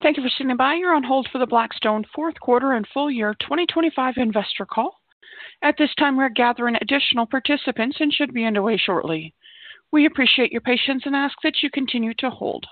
Thank you for sitting by. You're on hold for the Blackstone fourth quarter and full year 2025 investor call. At this time, we're gathering additional participants and should be underway shortly. We appreciate your patience and ask that you continue to hold.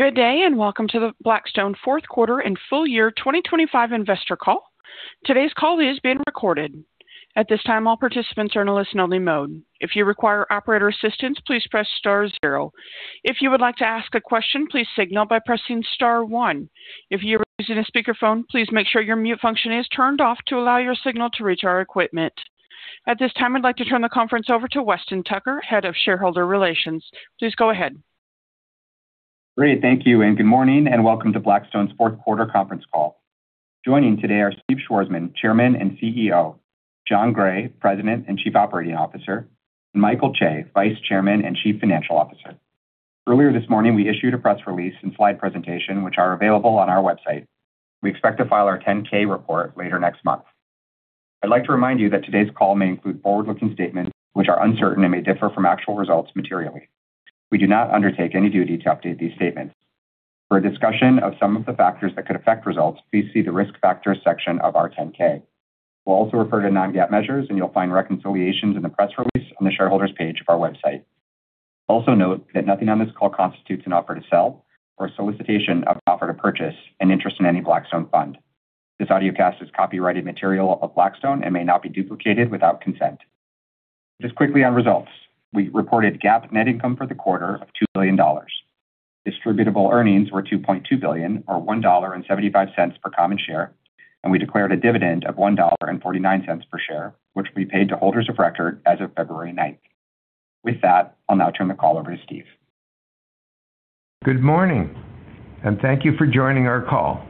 Good day and welcome to the Blackstone fourth quarter and full year 2025 investor call. Today's call is being recorded. At this time, all participants are in a listen-only mode. If you require operator assistance, please press star zero. If you would like to ask a question, please signal by pressing star one. If you are using a speakerphone, please make sure your mute function is turned off to allow your signal to reach our equipment. At this time, I'd like to turn the conference over to Weston Tucker, Head of Shareholder Relations. Please go ahead. Great. Thank you and good morning and welcome to Blackstone's fourth quarter conference call. Joining today are Steve Schwarzman, Chairman and CEO; Jon Gray, President and Chief Operating Officer; and Michael Chae, Vice Chairman and Chief Financial Officer. Earlier this morning, we issued a press release and slide presentation, which are available on our website. We expect to file our 10-K report later next month. I'd like to remind you that today's call may include forward-looking statements, which are uncertain and may differ from actual results materially. We do not undertake any duty to update these statements. For a discussion of some of the factors that could affect results, please see the risk factors section of our 10-K. We'll also refer to non-GAAP measures, and you'll find reconciliations in the press release on the shareholders' page of our website. Also note that nothing on this call constitutes an offer to sell or a solicitation of an offer to purchase an interest in any Blackstone fund. This audiocast is copyrighted material of Blackstone and may not be duplicated without consent. Just quickly on results, we reported GAAP net income for the quarter of $2 billion. Distributable earnings were $2.2 billion or $1.75 per common share, and we declared a dividend of $1.49 per share, which we paid to holders of record as of February 9th. With that, I'll now turn the call over to Steve. Good morning and thank you for joining our call.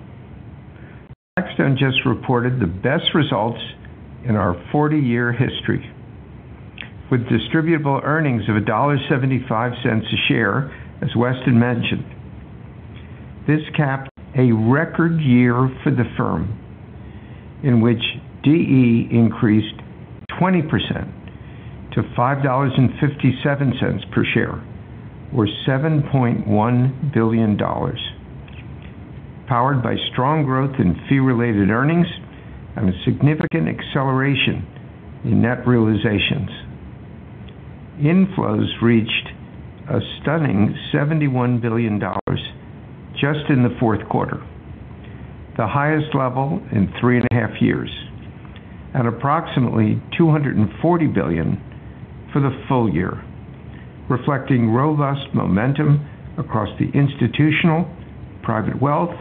Blackstone just reported the best results in our 40-year history, with distributable earnings of $1.75 a share, as Weston mentioned. This capped a record year for the firm in which DE increased 20% to $5.57 per share, or $7.1 billion, powered by strong growth in fee-related earnings and a significant acceleration in net realizations. Inflows reached a stunning $71 billion just in the fourth quarter, the highest level in three and a half years, at approximately $240 billion for the full year, reflecting robust momentum across the institutional, private wealth,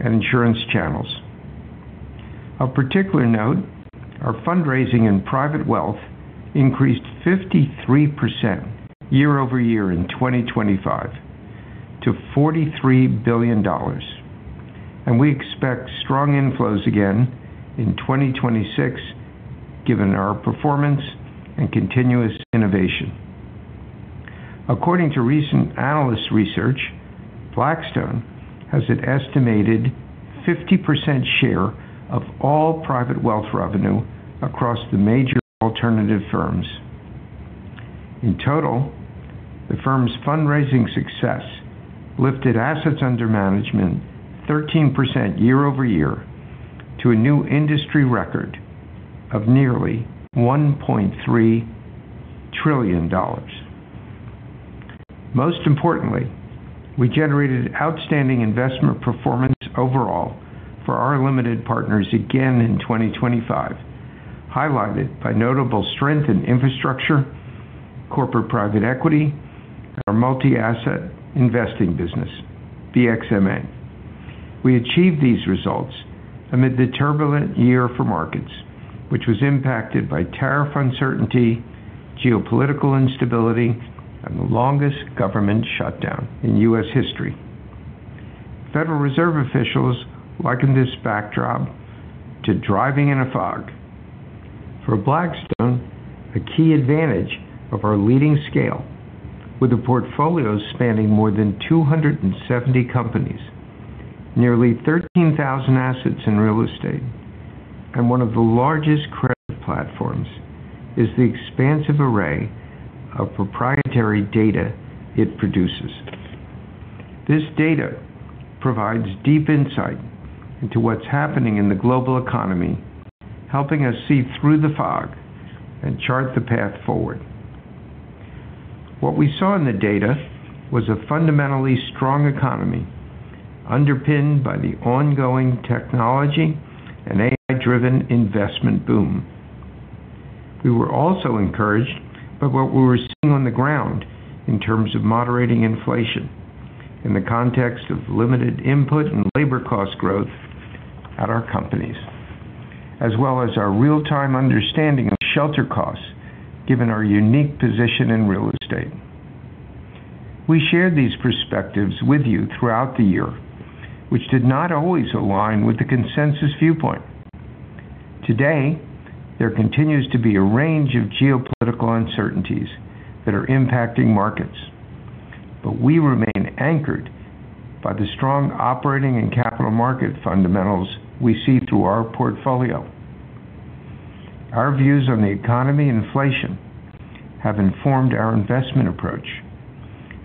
and insurance channels. Of particular note, our fundraising in private wealth increased 53% year-over-year in 2025 to $43 billion, and we expect strong inflows again in 2026 given our performance and continuous innovation. According to recent analyst research, Blackstone has an estimated 50% share of all private wealth revenue across the major alternative firms. In total, the firm's fundraising success lifted assets under management 13% year-over-year to a new industry record of nearly $1.3 trillion. Most importantly, we generated outstanding investment performance overall for our limited partners again in 2025, highlighted by notable strength in Infrastructure, corporate private equity, and our multi-asset investing business, BXMA. We achieved these results amid the turbulent year for markets, which was impacted by tariff uncertainty, geopolitical instability, and the longest government shutdown in U.S. history. Federal Reserve officials likened this backdrop to driving in a fog. For Blackstone, a key advantage of our leading scale, with a portfolio spanning more than 270 companies, nearly 13,000 assets in real estate, and one of the largest credit platforms, is the expansive array of proprietary data it produces. This data provides deep insight into what's happening in the global economy, helping us see through the fog and chart the path forward. What we saw in the data was a fundamentally strong economy underpinned by the ongoing technology and AI-driven investment boom. We were also encouraged by what we were seeing on the ground in terms of moderating inflation in the context of limited input and labor cost growth at our companies, as well as our real-time understanding of shelter costs given our unique position in real estate. We shared these perspectives with you throughout the year, which did not always align with the consensus viewpoint. Today, there continues to be a range of geopolitical uncertainties that are impacting markets, but we remain anchored by the strong operating and capital market fundamentals we see through our portfolio. Our views on the economy and inflation have informed our investment approach,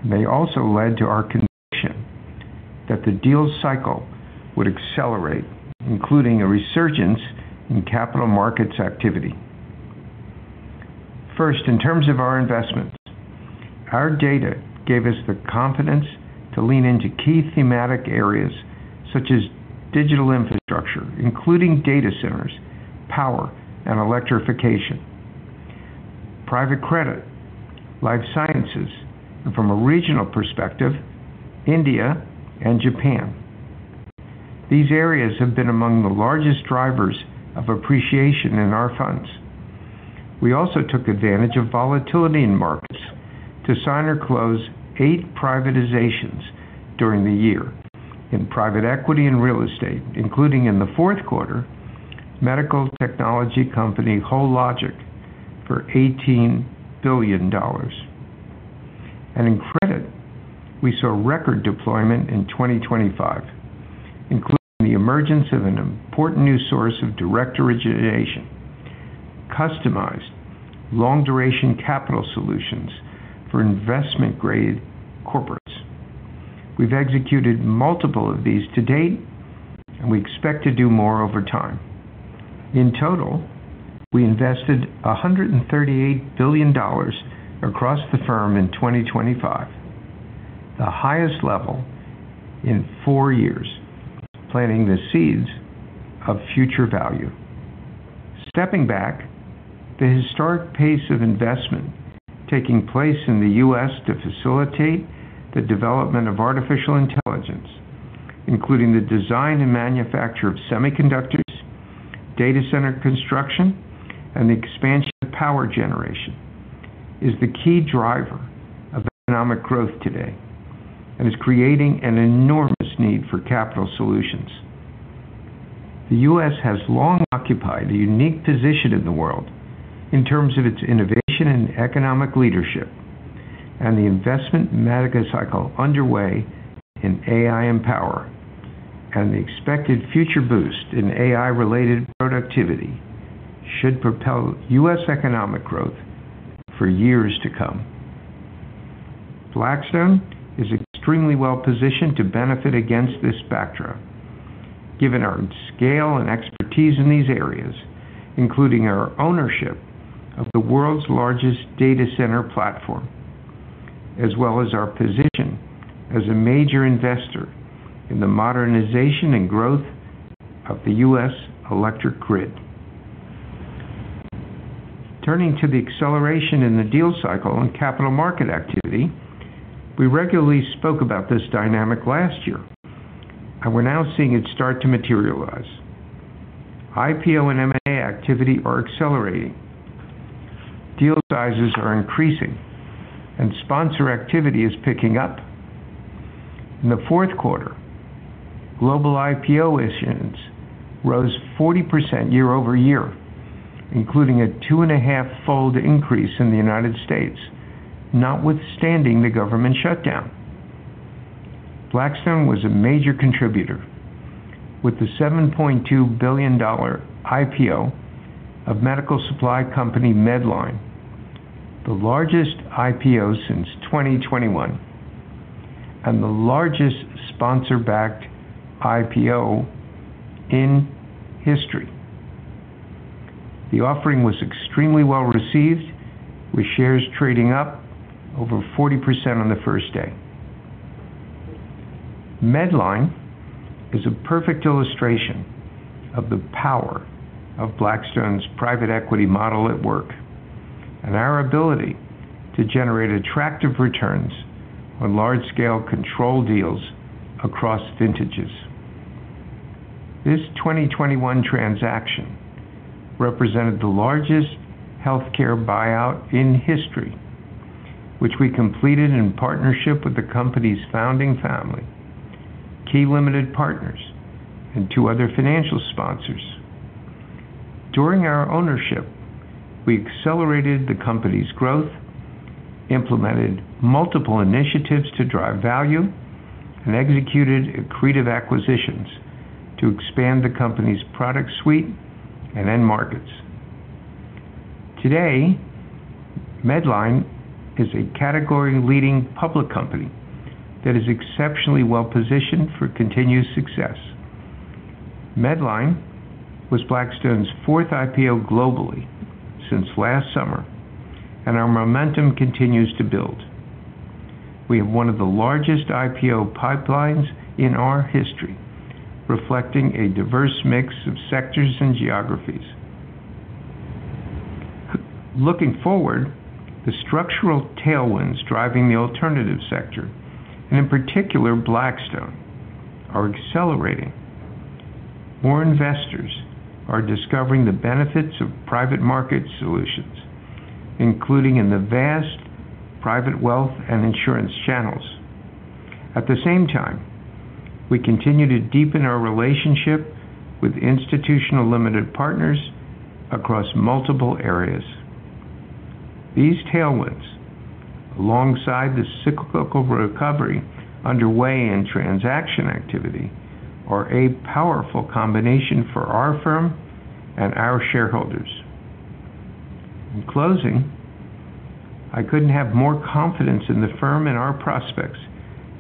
and they also led to our conviction that the deal cycle would accelerate, including a resurgence in capital markets activity. First, in terms of our investments, our data gave us the confidence to lean into key thematic areas such as digital infrastructure, including data centers, power, and electrification, private credit, Life Sciences, and from a regional perspective, India and Japan. These areas have been among the largest drivers of appreciation in our funds. We also took advantage of volatility in markets to sign or close eight privatizations during the year in private equity and real estate, including in the fourth quarter, medical technology company Hologic for $18 billion. In credit, we saw record deployment in 2025, including the emergence of an important new source of direct origination: customized long-duration capital solutions for investment-grade corporates. We've executed multiple of these to date, and we expect to do more over time. In total, we invested $138 billion across the firm in 2025, the highest level in four years, planting the seeds of future value. Stepping back, the historic pace of investment taking place in the U.S. to facilitate the development of artificial intelligence, including the design and manufacture of semiconductors, data center construction, and the expansion of power generation, is the key driver of economic growth today and is creating an enormous need for capital solutions. The U.S. has long occupied a unique position in the world in terms of its innovation and economic leadership, and the investment mega cycle underway in AI and power, and the expected future boost in AI-related productivity should propel U.S. economic growth for years to come. Blackstone is extremely well positioned to benefit against this backdrop, given our scale and expertise in these areas, including our ownership of the world's largest data center platform, as well as our position as a major investor in the modernization and growth of the U.S. electric grid. Turning to the acceleration in the deal cycle and capital market activity, we regularly spoke about this dynamic last year, and we're now seeing it start to materialize. IPO and M&A activity are accelerating. Deal sizes are increasing, and sponsor activity is picking up. In the fourth quarter, global IPO issuance rose 40% year-over-year, including a two-and-a-half-fold increase in the United States, notwithstanding the government shutdown. Blackstone was a major contributor with the $7.2 billion IPO of medical supply company Medline, the largest IPO since 2021, and the largest sponsor-backed IPO in history. The offering was extremely well received, with shares trading up over 40% on the first day. Medline is a perfect illustration of the power of Blackstone's private equity model at work and our ability to generate attractive returns on large-scale control deals across vintages. This 2021 transaction represented the largest healthcare buyout in history, which we completed in partnership with the company's founding family, key limited partners, and two other financial sponsors. During our ownership, we accelerated the company's growth, implemented multiple initiatives to drive value, and executed accretive acquisitions to expand the company's product suite and end markets. Today, Medline is a category-leading public company that is exceptionally well positioned for continued success. Medline was Blackstone's fourth IPO globally since last summer, and our momentum continues to build. We have one of the largest IPO pipelines in our history, reflecting a diverse mix of sectors and geographies. Looking forward, the structural tailwinds driving the alternative sector, and in particular Blackstone, are accelerating. More investors are discovering the benefits of private market solutions, including in the vast private wealth and insurance channels. At the same time, we continue to deepen our relationship with institutional limited partners across multiple areas. These tailwinds, alongside the cyclical recovery underway in transaction activity, are a powerful combination for our firm and our shareholders. In closing, I couldn't have more confidence in the firm and our prospects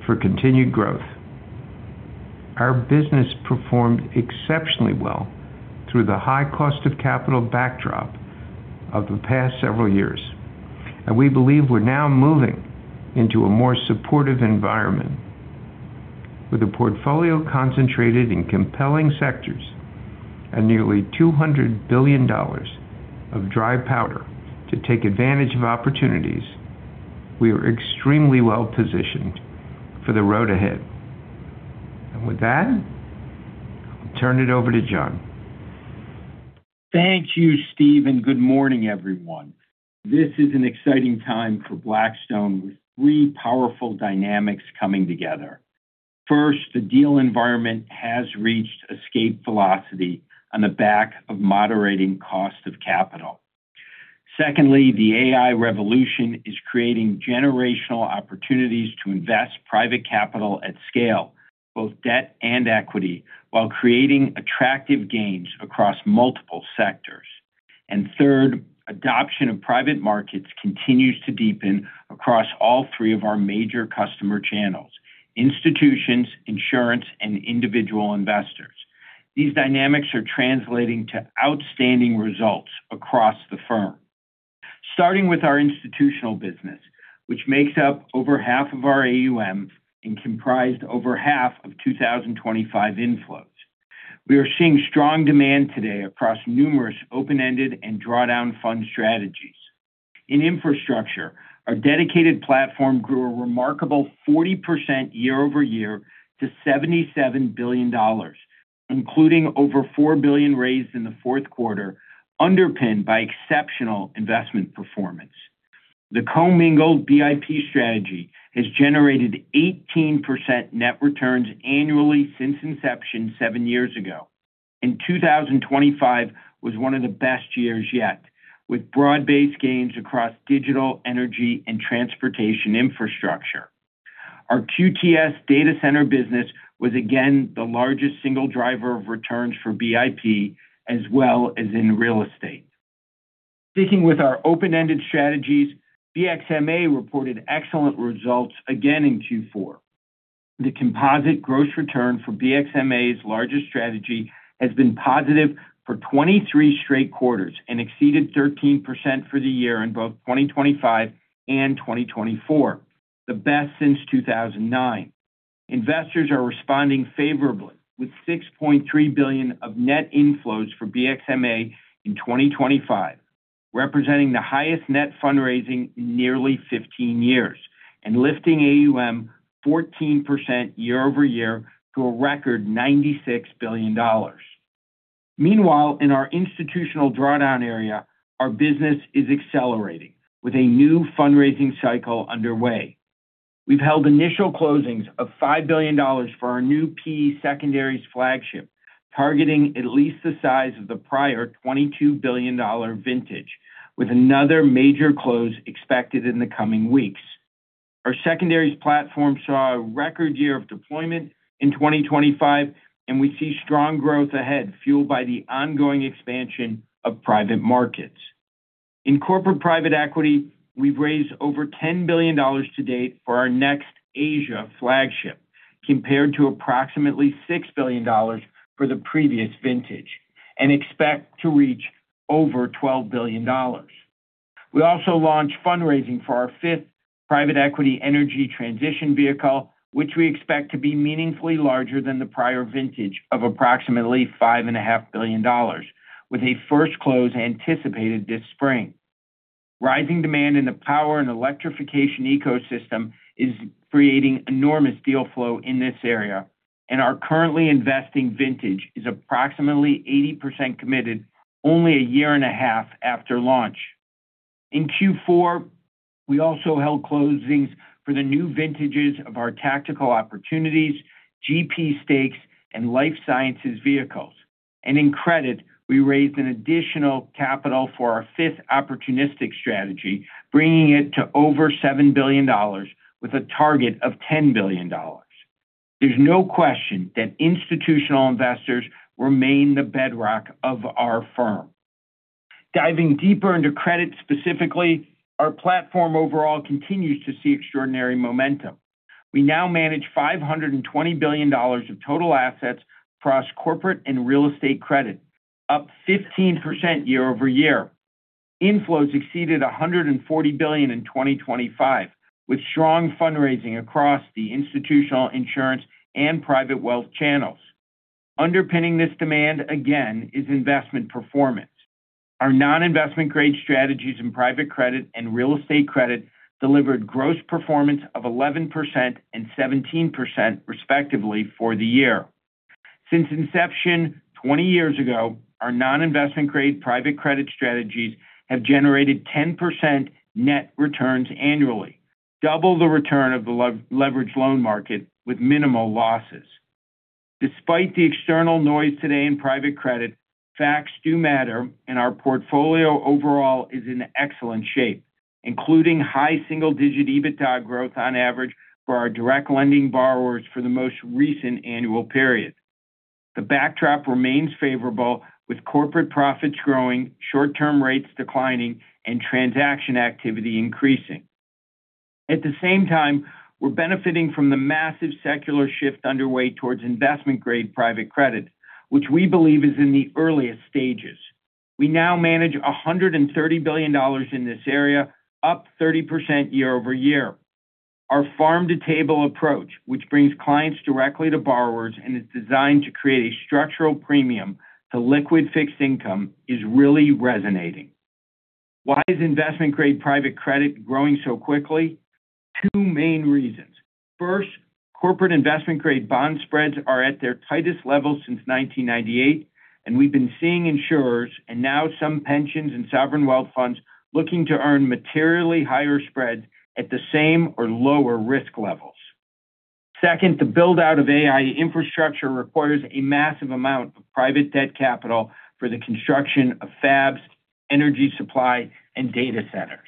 for continued growth. Our business performed exceptionally well through the high cost of capital backdrop of the past several years, and we believe we're now moving into a more supportive environment. With a portfolio concentrated in compelling sectors and nearly $200 billion of dry powder to take advantage of opportunities, we are extremely well positioned for the road ahead. And with that, I'll turn it over to John. Thank you, Steve, and good morning, everyone. This is an exciting time for Blackstone, with three powerful dynamics coming together. First, the deal environment has reached escape velocity on the back of moderating cost of capital. Secondly, the AI revolution is creating generational opportunities to invest private capital at scale, both debt and equity, while creating attractive gains across multiple sectors. And third, adoption of private markets continues to deepen across all three of our major customer channels: institutions, insurance, and individual investors. These dynamics are translating to outstanding results across the firm. Starting with our institutional business, which makes up over half of our AUM and comprised over half of 2025 inflows. We are seeing strong demand today across numerous open-ended and drawdown fund strategies. In Infrastructure, our dedicated platform grew a remarkable 40% year-over-year to $77 billion, including over $4 billion raised in the fourth quarter, underpinned by exceptional investment performance. The co-mingled BIP strategy has generated 18% net returns annually since inception seven years ago. 2025 was one of the best years yet, with broad-based gains across digital, energy, and transportation Infrastructure. Our QTS data center business was again the largest single driver of returns for BIP, as well as in real estate. Sticking with our open-ended strategies, BXMA reported excellent results again in Q4. The composite gross return for BXMA's largest strategy has been positive for 23 straight quarters and exceeded 13% for the year in both 2025 and 2024, the best since 2009. Investors are responding favorably, with $6.3 billion of net inflows for BXMA in 2025, representing the highest net fundraising in nearly 15 years and lifting AUM 14% year-over-year to a record $96 billion. Meanwhile, in our institutional drawdown area, our business is accelerating with a new fundraising cycle underway. We've held initial closings of $5 billion for our new PE secondaries flagship, targeting at least the size of the prior $22 billion vintage, with another major close expected in the coming weeks. Our secondaries platform saw a record year of deployment in 2025, and we see strong growth ahead, fueled by the ongoing expansion of private markets. In corporate private equity, we've raised over $10 billion to date for our next Asia flagship, compared to approximately $6 billion for the previous vintage, and expect to reach over $12 billion. We also launched fundraising for our fifth private equity energy transition vehicle, which we expect to be meaningfully larger than the prior vintage of approximately $5.5 billion, with a first close anticipated this spring. Rising demand in the power and electrification ecosystem is creating enormous deal flow in this area, and our currently investing vintage is approximately 80% committed only a year and a half after launch. In Q4, we also held closings for the new vintages of our Tactical Opportunities, GP stakes, and life sciences vehicles. In credit, we raised an additional capital for our fifth opportunistic strategy, bringing it to over $7 billion, with a target of $10 billion. There's no question that institutional investors remain the bedrock of our firm. Diving deeper into credit specifically, our platform overall continues to see extraordinary momentum. We now manage $520 billion of total assets across corporate and real estate credit, up 15% year-over-year. Inflows exceeded $140 billion in 2025, with strong fundraising across the institutional insurance and private wealth channels. Underpinning this demand again is investment performance. Our non-investment-grade strategies in private credit and real estate credit delivered gross performance of 11% and 17%, respectively, for the year. Since inception 20 years ago, our non-investment-grade private credit strategies have generated 10% net returns annually, double the return of the leveraged loan market with minimal losses. Despite the external noise today in private credit, facts do matter, and our portfolio overall is in excellent shape, including high single-digit EBITDA growth on average for our direct lending borrowers for the most recent annual period. The backdrop remains favorable, with corporate profits growing, short-term rates declining, and transaction activity increasing. At the same time, we're benefiting from the massive secular shift underway towards investment-grade private credit, which we believe is in the earliest stages. We now manage $130 billion in this area, up 30% year-over-year. Our farm-to-table approach, which brings clients directly to borrowers and is designed to create a structural premium to liquid fixed income, is really resonating. Why is investment-grade private credit growing so quickly? Two main reasons. First, corporate investment-grade bond spreads are at their tightest level since 1998, and we've been seeing insurers and now some pensions and sovereign wealth funds looking to earn materially higher spreads at the same or lower risk levels. Second, the build-out of AI Infrastructure requires a massive amount of private debt capital for the construction of fabs, energy supply, and data centers.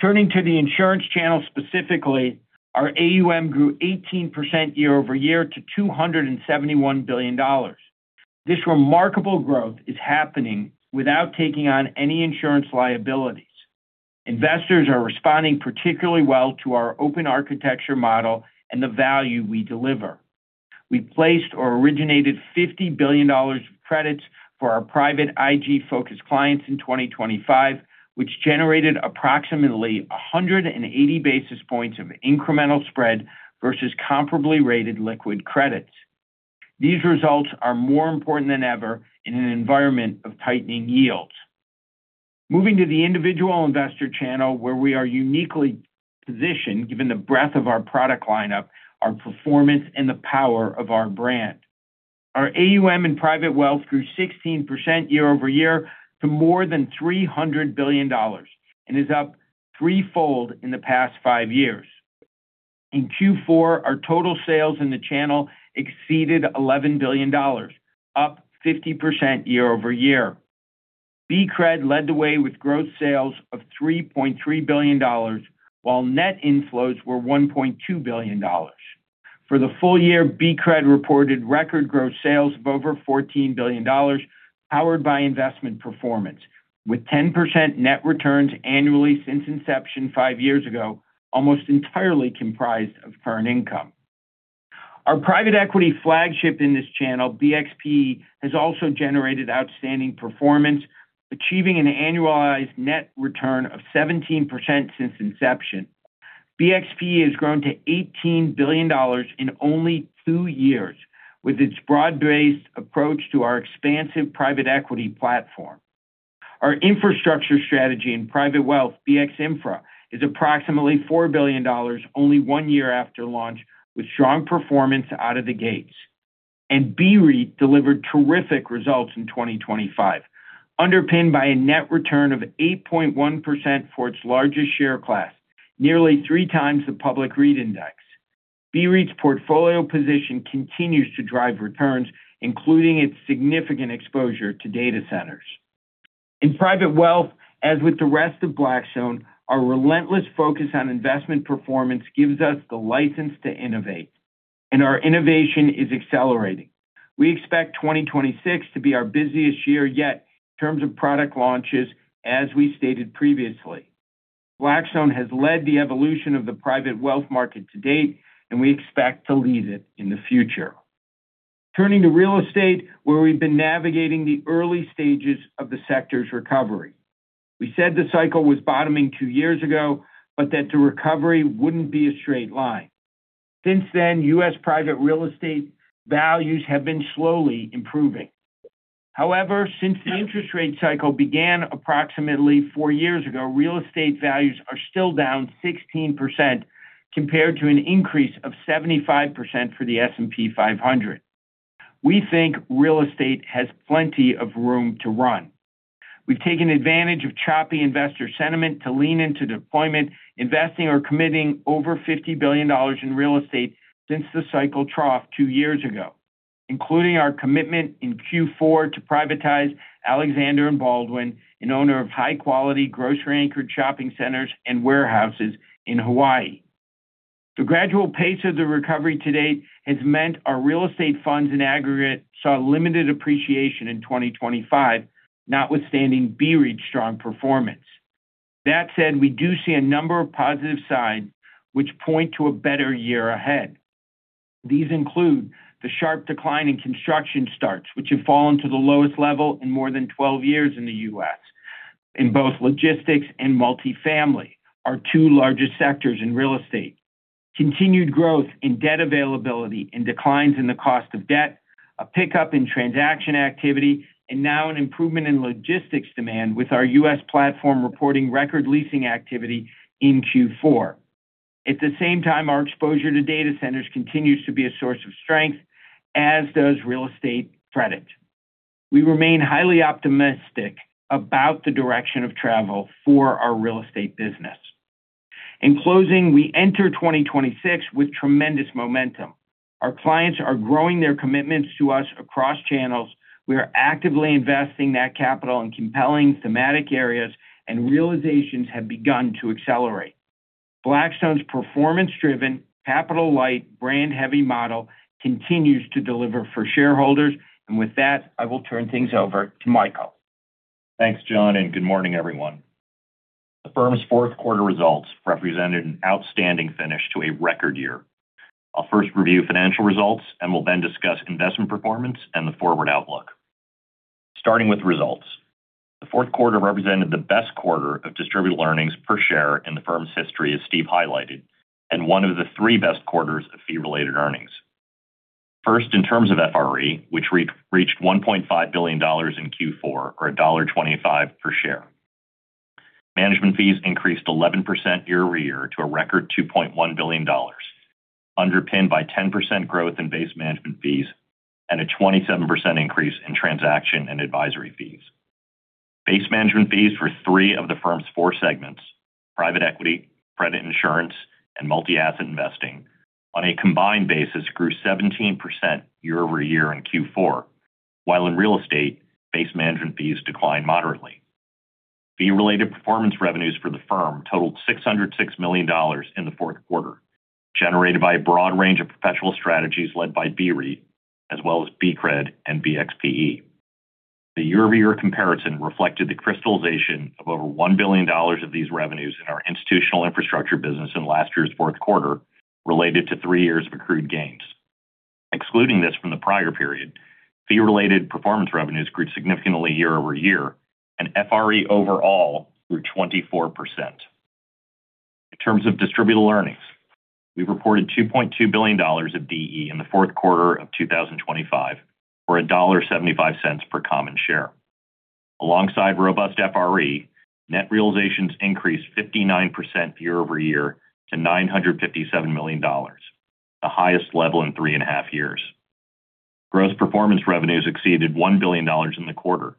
Turning to the insurance channel specifically, our AUM grew 18% year-over-year to $271 billion. This remarkable growth is happening without taking on any insurance liabilities. Investors are responding particularly well to our open architecture model and the value we deliver. We placed or originated $50 billion of credits for our private IG-focused clients in 2025, which generated approximately 180 basis points of incremental spread versus comparably rated liquid credits. These results are more important than ever in an environment of tightening yields. Moving to the individual investor channel, where we are uniquely positioned given the breadth of our product lineup, our performance, and the power of our brand. Our AUM in private wealth grew 16% year-over-year to more than $300 billion and is up threefold in the past five years. In Q4, our total sales in the channel exceeded $11 billion, up 50% year-over-year. BCRED led the way with gross sales of $3.3 billion, while net inflows were $1.2 billion. For the full year, BCRED reported record gross sales of over $14 billion, powered by investment performance, with 10% net returns annually since inception five years ago, almost entirely comprised of current income. Our private equity flagship in this channel, BXPE, has also generated outstanding performance, achieving an annualized net return of 17% since inception. BXPE has grown to $18 billion in only two years with its broad-based approach to our expansive private equity platform. Our Infrastructure strategy in private wealth, BX Infra, is approximately $4 billion only one year after launch, with strong performance out of the gates. BREIT delivered terrific results in 2025, underpinned by a net return of 8.1% for its largest share class, nearly three times the public REIT index. BREIT's portfolio position continues to drive returns, including its significant exposure to data centers. In private wealth, as with the rest of Blackstone, our relentless focus on investment performance gives us the license to innovate, and our innovation is accelerating. We expect 2026 to be our busiest year yet in terms of product launches, as we stated previously. Blackstone has led the evolution of the private wealth market to date, and we expect to lead it in the future. Turning to real estate, where we've been navigating the early stages of the sector's recovery. We said the cycle was bottoming two years ago, but that the recovery wouldn't be a straight line. Since then, U.S. private real estate values have been slowly improving. However, since the interest rate cycle began approximately four years ago, real estate values are still down 16% compared to an increase of 75% for the S&P 500. We think real estate has plenty of room to run. We've taken advantage of choppy investor sentiment to lean into deployment, investing or committing over $50 billion in real estate since the cycle trough two years ago, including our commitment in Q4 to privatize Alexander & Baldwin, an owner of high-quality grocery-anchored shopping centers and warehouses in Hawaii. The gradual pace of the recovery to date has meant our real estate funds in aggregate saw limited appreciation in 2025, notwithstanding BREIT's strong performance. That said, we do see a number of positive signs which point to a better year ahead. These include the sharp decline in construction starts, which have fallen to the lowest level in more than 12 years in the U.S., in both logistics and multifamily, our two largest sectors in real estate. Continued growth in debt availability and declines in the cost of debt, a pickup in transaction activity, and now an improvement in logistics demand with our U.S. platform reporting record leasing activity in Q4. At the same time, our exposure to data centers continues to be a source of strength, as does real estate credit. We remain highly optimistic about the direction of travel for our real estate business. In closing, we enter 2026 with tremendous momentum. Our clients are growing their commitments to us across channels. We are actively investing that capital in compelling thematic areas, and realizations have begun to accelerate. Blackstone's performance-driven, capital-light, brand-heavy model continues to deliver for shareholders. With that, I will turn things over to Michael. Thanks, John, and good morning, everyone. The firm's fourth quarter results represented an outstanding finish to a record year. I'll first review financial results and will then discuss investment performance and the forward outlook. Starting with results, the fourth quarter represented the best quarter of distributed earnings per share in the firm's history, as Steve highlighted, and one of the three best quarters of fee-related earnings. First, in terms of FRE, which reached $1.5 billion in Q4, or $1.25 per share. Management fees increased 11% year-over-year to a record $2.1 billion, underpinned by 10% growth in base management fees and a 27% increase in transaction and advisory fees. Base management fees for three of the firm's four segments, private equity, credit insurance, and multi-asset investing, on a combined basis, grew 17% year-over-year in Q4, while in real estate, base management fees declined moderately. Fee-related performance revenues for the firm totaled $606 million in the fourth quarter, generated by a broad range of perpetual strategies led by BREIT, as well as BCRED and BXPE. The year-over-year comparison reflected the crystallization of over $1 billion of these revenues in our institutional Infrastructure business in last year's fourth quarter, related to three years of accrued gains. Excluding this from the prior period, fee-related performance revenues grew significantly year-over-year, and FRE overall grew 24%. In terms of distributed earnings, we reported $2.2 billion of DE in the fourth quarter of 2025, or $1.75 per common share. Alongside robust FRE, net realizations increased 59% year-over-year to $957 million, the highest level in three and a half years. Gross performance revenues exceeded $1 billion in the quarter,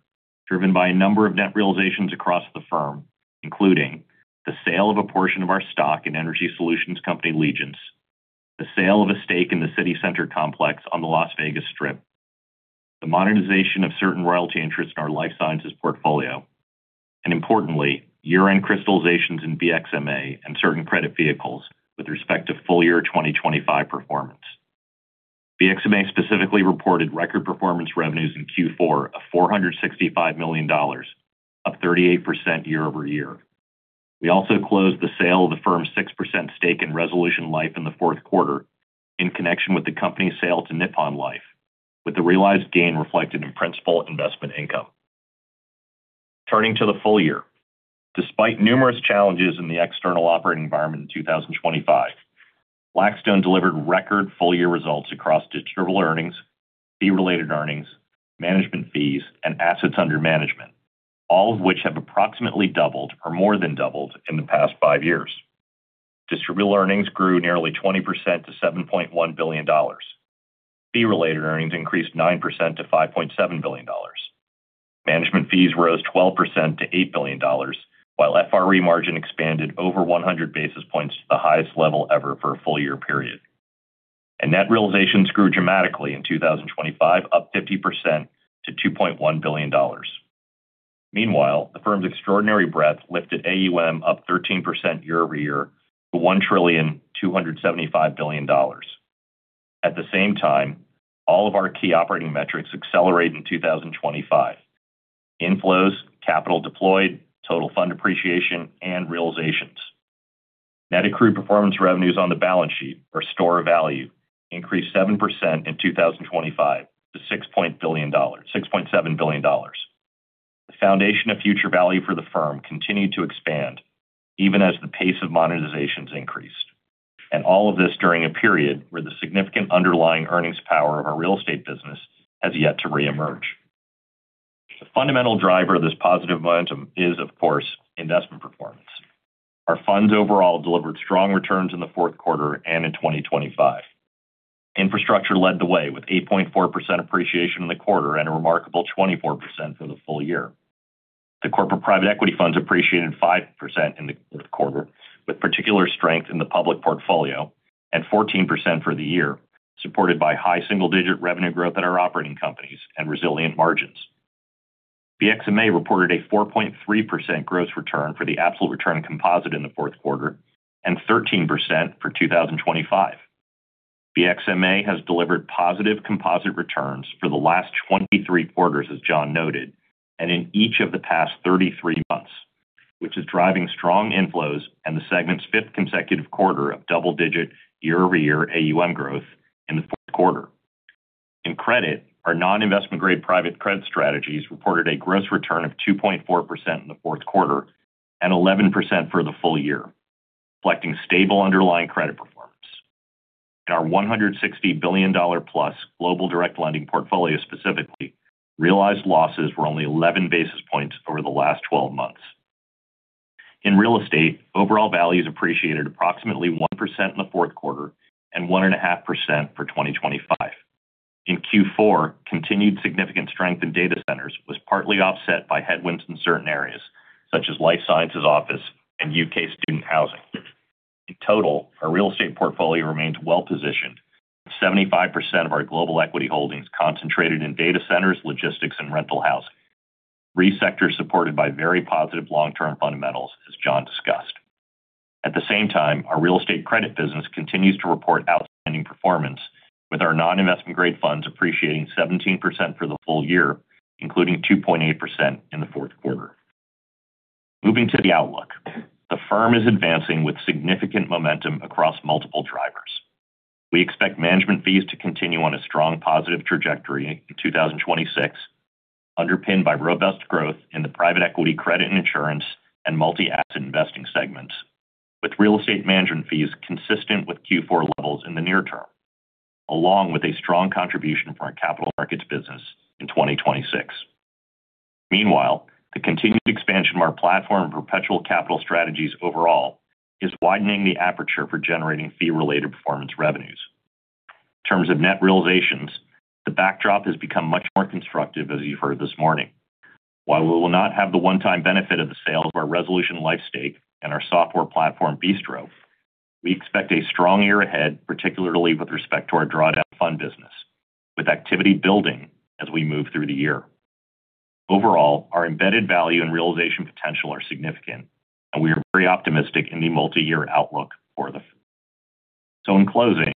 driven by a number of net realizations across the firm, including the sale of a portion of our stock in energy solutions company The Legence, the sale of a stake in the CityCenter complex on the Las Vegas Strip, the modernization of certain royalty interests in our life sciences portfolio, and importantly, year-end crystallizations in BXMA and certain credit vehicles with respect to full year 2025 performance. BXMA specifically reported record performance revenues in Q4 of $465 million, up 38% year-over-year. We also closed the sale of the firm's 6% stake in Resolution Life in the fourth quarter in connection with the company's sale to Nippon Life, with the realized gain reflected in principal investment income. Turning to the full year, despite numerous challenges in the external operating environment in 2025, Blackstone delivered record full year results across distributed earnings, fee-related earnings, management fees, and assets under management, all of which have approximately doubled or more than doubled in the past five years. Distributed earnings grew nearly 20% to $7.1 billion. Fee-related earnings increased 9% to $5.7 billion. Management fees rose 12% to $8 billion, while FRE margin expanded over 100 basis points to the highest level ever for a full year period. And net realizations grew dramatically in 2025, up 50% to $2.1 billion. Meanwhile, the firm's extraordinary breadth lifted AUM up 13% year over year to $1,275 billion. At the same time, all of our key operating metrics accelerate in 2025: inflows, capital deployed, total fund appreciation, and realizations. Net accrued performance revenues on the balance sheet, or store of value, increased 7% in 2025 to $6.7 billion. The foundation of future value for the firm continued to expand even as the pace of monetizations increased, and all of this during a period where the significant underlying earnings power of our real estate business has yet to reemerge. The fundamental driver of this positive momentum is, of course, investment performance. Our funds overall delivered strong returns in the fourth quarter and in 2025. Infrastructure led the way with 8.4% appreciation in the quarter and a remarkable 24% for the full year. The corporate private equity funds appreciated 5% in the fourth quarter, with particular strength in the public portfolio and 14% for the year, supported by high single-digit revenue growth at our operating companies and resilient margins. BXMA reported a 4.3% gross return for the absolute return composite in the fourth quarter and 13% for 2025. BXMA has delivered positive composite returns for the last 23 quarters, as John noted, and in each of the past 33 months, which is driving strong inflows and the segment's fifth consecutive quarter of double-digit year-over-year AUM growth in the fourth quarter. In credit, our non-investment-grade private credit strategies reported a gross return of 2.4% in the fourth quarter and 11% for the full year, reflecting stable underlying credit performance. In our $160 billion+ global direct lending portfolio specifically, realized losses were only 11 basis points over the last 12 months. In real estate, overall values appreciated approximately 1% in the fourth quarter and 1.5% for 2025. In Q4, continued significant strength in data centers was partly offset by headwinds in certain areas, such as life sciences office and U.K. student housing. In total, our real estate portfolio remained well-positioned, with 75% of our global equity holdings concentrated in data centers, logistics, and rental housing. Three sectors supported by very positive long-term fundamentals, as John discussed. At the same time, our real estate credit business continues to report outstanding performance, with our non-investment-grade funds appreciating 17% for the full year, including 2.8% in the fourth quarter. Moving to the outlook, the firm is advancing with significant momentum across multiple drivers. We expect management fees to continue on a strong positive trajectory in 2026, underpinned by robust growth in the private equity credit and insurance and multi-asset investing segments, with real estate management fees consistent with Q4 levels in the near term, along with a strong contribution from our capital markets business in 2026. Meanwhile, the continued expansion of our platform and perpetual capital strategies overall is widening the aperture for generating fee-related performance revenues. In terms of net realizations, the backdrop has become much more constructive, as you've heard this morning. While we will not have the one-time benefit of the sales of our Resolution Life stake and our software platform, Bistro, we expect a strong year ahead, particularly with respect to our drawdown fund business, with activity building as we move through the year. Overall, our embedded value and realization potential are significant, and we are very optimistic in the multi-year outlook for the firm. So, in closing,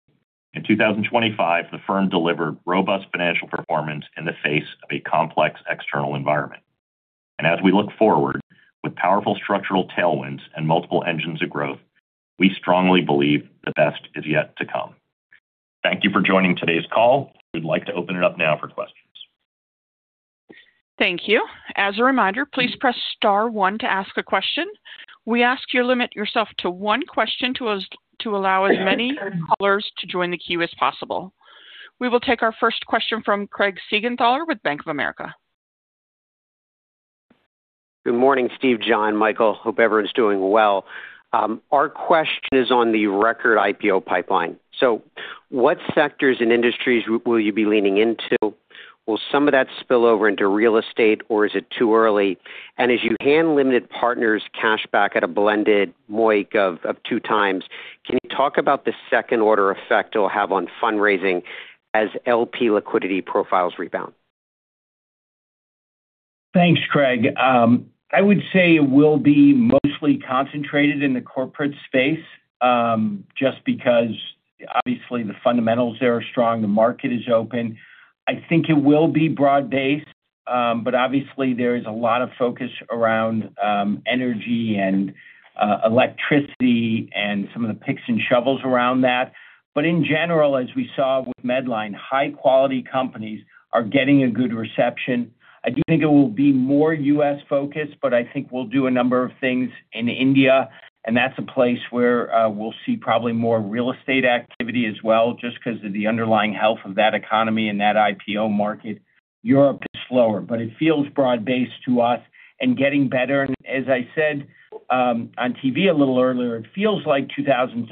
in 2025, the firm delivered robust financial performance in the face of a complex external environment. And as we look forward, with powerful structural tailwinds and multiple engines of growth, we strongly believe the best is yet to come. Thank you for joining today's call. We'd like to open it up now for questions. Thank you. As a reminder, please press star one to ask a question. We ask you to limit yourself to one question to allow as many callers to join the queue as possible. We will take our first question from Craig Siegenthaler with Bank of America. Good morning, Steve, John, Michael. Hope everyone's doing well. Our question is on the record IPO pipeline. So, what sectors and industries will you be leaning into? Will some of that spill over into real estate, or is it too early? And as you hand limited partners cash back at a blended MOIC of 2x, can you talk about the second order effect it'll have on fundraising as LP liquidity profiles rebound? Thanks, Craig. I would say it will be mostly concentrated in the corporate space just because, obviously, the fundamentals there are strong, the market is open. I think it will be broad-based, but obviously, there is a lot of focus around energy and electricity and some of the picks and shovels around that. But in general, as we saw with Medline, high-quality companies are getting a good reception. I do think it will be more U.S.-focused, but I think we'll do a number of things in India, and that's a place where we'll see probably more real estate activity as well, just because of the underlying health of that economy and that IPO market. Europe is slower, but it feels broad-based to us and getting better. As I said on TV a little earlier, it feels like 2013,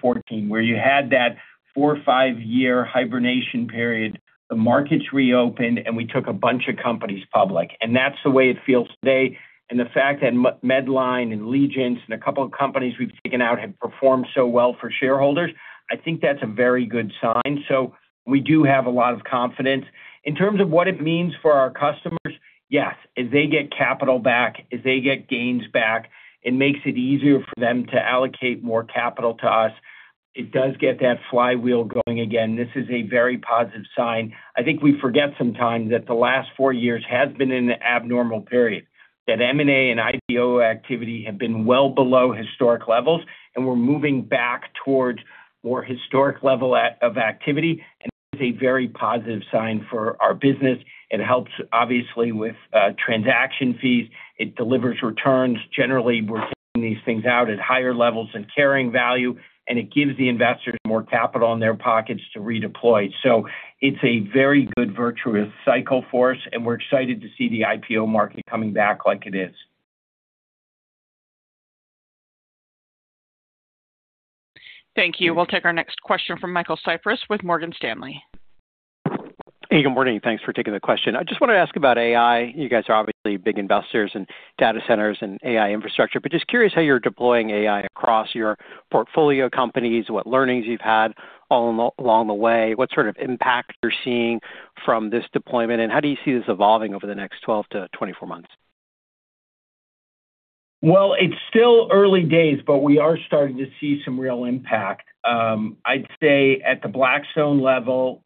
2014, where you had that four or five-year hibernation period, the markets reopened, and we took a bunch of companies public. That's the way it feels today. The fact that Medline and Legence and a couple of companies we've taken out have performed so well for shareholders, I think that's a very good sign. We do have a lot of confidence. In terms of what it means for our customers, yes, as they get capital back, as they get gains back, it makes it easier for them to allocate more capital to us. It does get that flywheel going again. This is a very positive sign. I think we forget sometimes that the last four years have been in an abnormal period, that M&A and IPO activity have been well below historic levels, and we're moving back towards more historic levels of activity. It is a very positive sign for our business. It helps, obviously, with transaction fees. It delivers returns. Generally, we're taking these things out at higher levels and carrying value, and it gives the investors more capital in their pockets to redeploy. It's a very good virtuous cycle for us, and we're excited to see the IPO market coming back like it is. Thank you. We'll take our next question from Michael Cyprys with Morgan Stanley. Hey, good morning. Thanks for taking the question. I just wanted to ask about AI. You guys are obviously big investors in data centers and AI Infrastructure, but just curious how you're deploying AI across your portfolio companies, what learnings you've had along the way, what sort of impact you're seeing from this deployment, and how do you see this evolving over the next 12-24 months? Well, it's still early days, but we are starting to see some real impact. I'd say at the Blackstone level,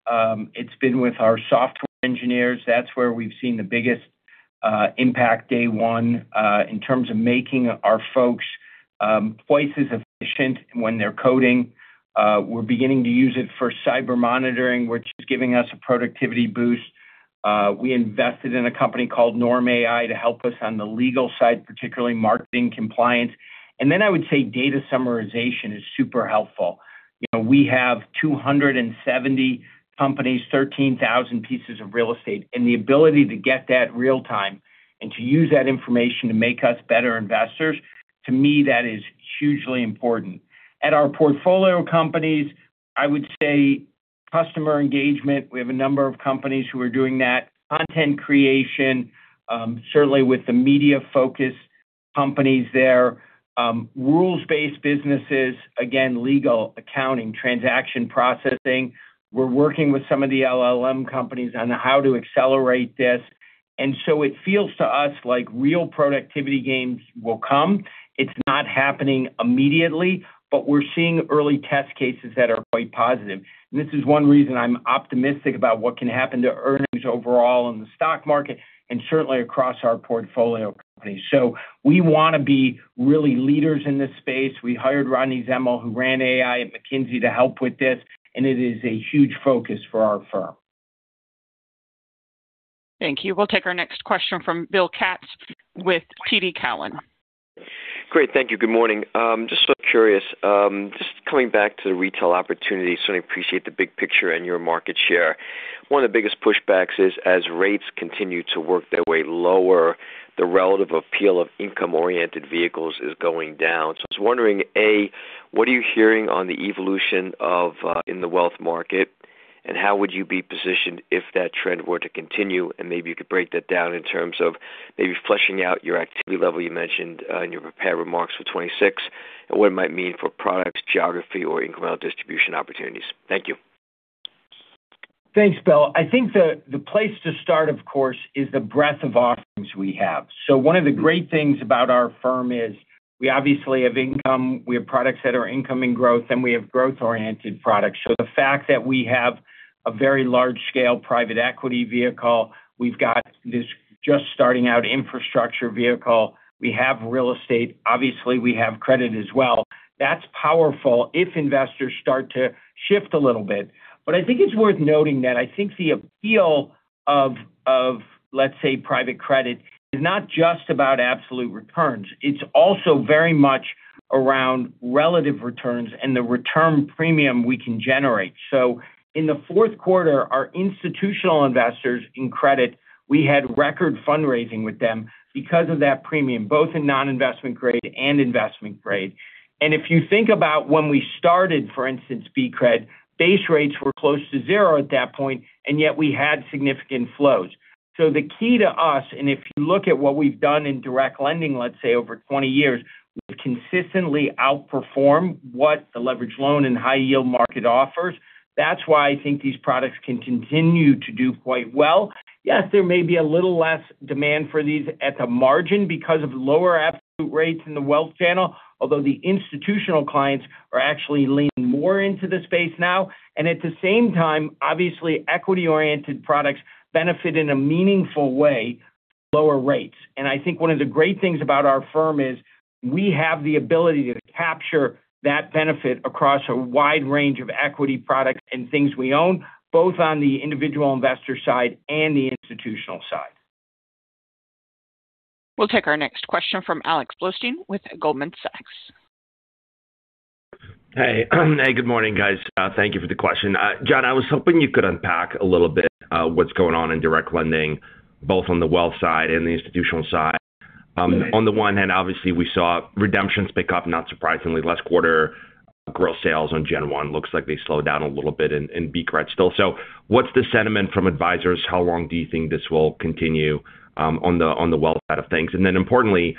it's been with our software engineers. That's where we've seen the biggest impact day one in terms of making our folks twice as efficient when they're coding. We're beginning to use it for cyber monitoring, which is giving us a productivity boost. We invested in a company called Norm AI to help us on the legal side, particularly marketing compliance. Then I would say data summarization is super helpful. We have 270 companies, 13,000 pieces of real estate, and the ability to get that real-time and to use that information to make us better investors; to me, that is hugely important. At our portfolio companies, I would say customer engagement; we have a number of companies who are doing that. Content creation, certainly with the media-focused companies there. Rules-based businesses, again, legal, accounting, transaction processing. We're working with some of the LLM companies on how to accelerate this. So it feels to us like real productivity gains will come. It's not happening immediately, but we're seeing early test cases that are quite positive. This is one reason I'm optimistic about what can happen to earnings overall in the stock market and certainly across our portfolio companies. So we want to be really leaders in this space. We hired Rodney Zemmel, who ran AI at McKinsey, to help with this, and it is a huge focus for our firm. Thank you. We'll take our next question from Bill Katz with TD Cowen. Great. Thank you. Good morning. Just so curious, just coming back to the retail opportunities, certainly appreciate the big picture and your market share. One of the biggest pushbacks is as rates continue to work their way lower, the relative appeal of income-oriented vehicles is going down. So I was wondering, A, what are you hearing on the evolution in the wealth market, and how would you be positioned if that trend were to continue? Maybe you could break that down in terms of maybe fleshing out your activity level you mentioned in your prepared remarks for 2026 and what it might mean for products, geography, or incremental distribution opportunities. Thank you. Thanks, Bill. I think the place to start, of course, is the breadth of offerings we have. So one of the great things about our firm is we obviously have income, we have products that are income and growth, and we have growth-oriented products. So the fact that we have a very large-scale private equity vehicle, we've got this just starting out Infrastructure vehicle, we have real estate, obviously we have credit as well. That's powerful if investors start to shift a little bit. But I think it's worth noting that I think the appeal of, let's say, private credit is not just about absolute returns. It's also very much around relative returns and the return premium we can generate. So in the fourth quarter, our institutional investors in credit, we had record fundraising with them because of that premium, both in non-investment grade and investment grade. And if you think about when we started, for instance, BCRED, base rates were close to zero at that point, and yet we had significant flows. So the key to us, and if you look at what we've done in direct lending, let's say, over 20 years, we've consistently outperformed what the leveraged loan and high-yield market offers. That's why I think these products can continue to do quite well. Yes, there may be a little less demand for these at the margin because of lower absolute rates in the wealth channel, although the institutional clients are actually leaning more into the space now. And at the same time, obviously, equity-oriented products benefit in a meaningful way through lower rates. And I think one of the great things about our firm is we have the ability to capture that benefit across a wide range of equity products and things we own, both on the individual investor side and the institutional side. We'll take our next question from Alex Blostein with Goldman Sachs. Hey. Hey, good morning, guys. Thank you for the question. John, I was hoping you could unpack a little bit what's going on in direct lending, both on the wealth side and the institutional side. On the one hand, obviously, we saw redemptions pick up, not surprisingly. Last quarter, gross sales on Gen I looks like they slowed down a little bit in BCRED still. So what's the sentiment from advisors? How long do you think this will continue on the wealth side of things? And then importantly,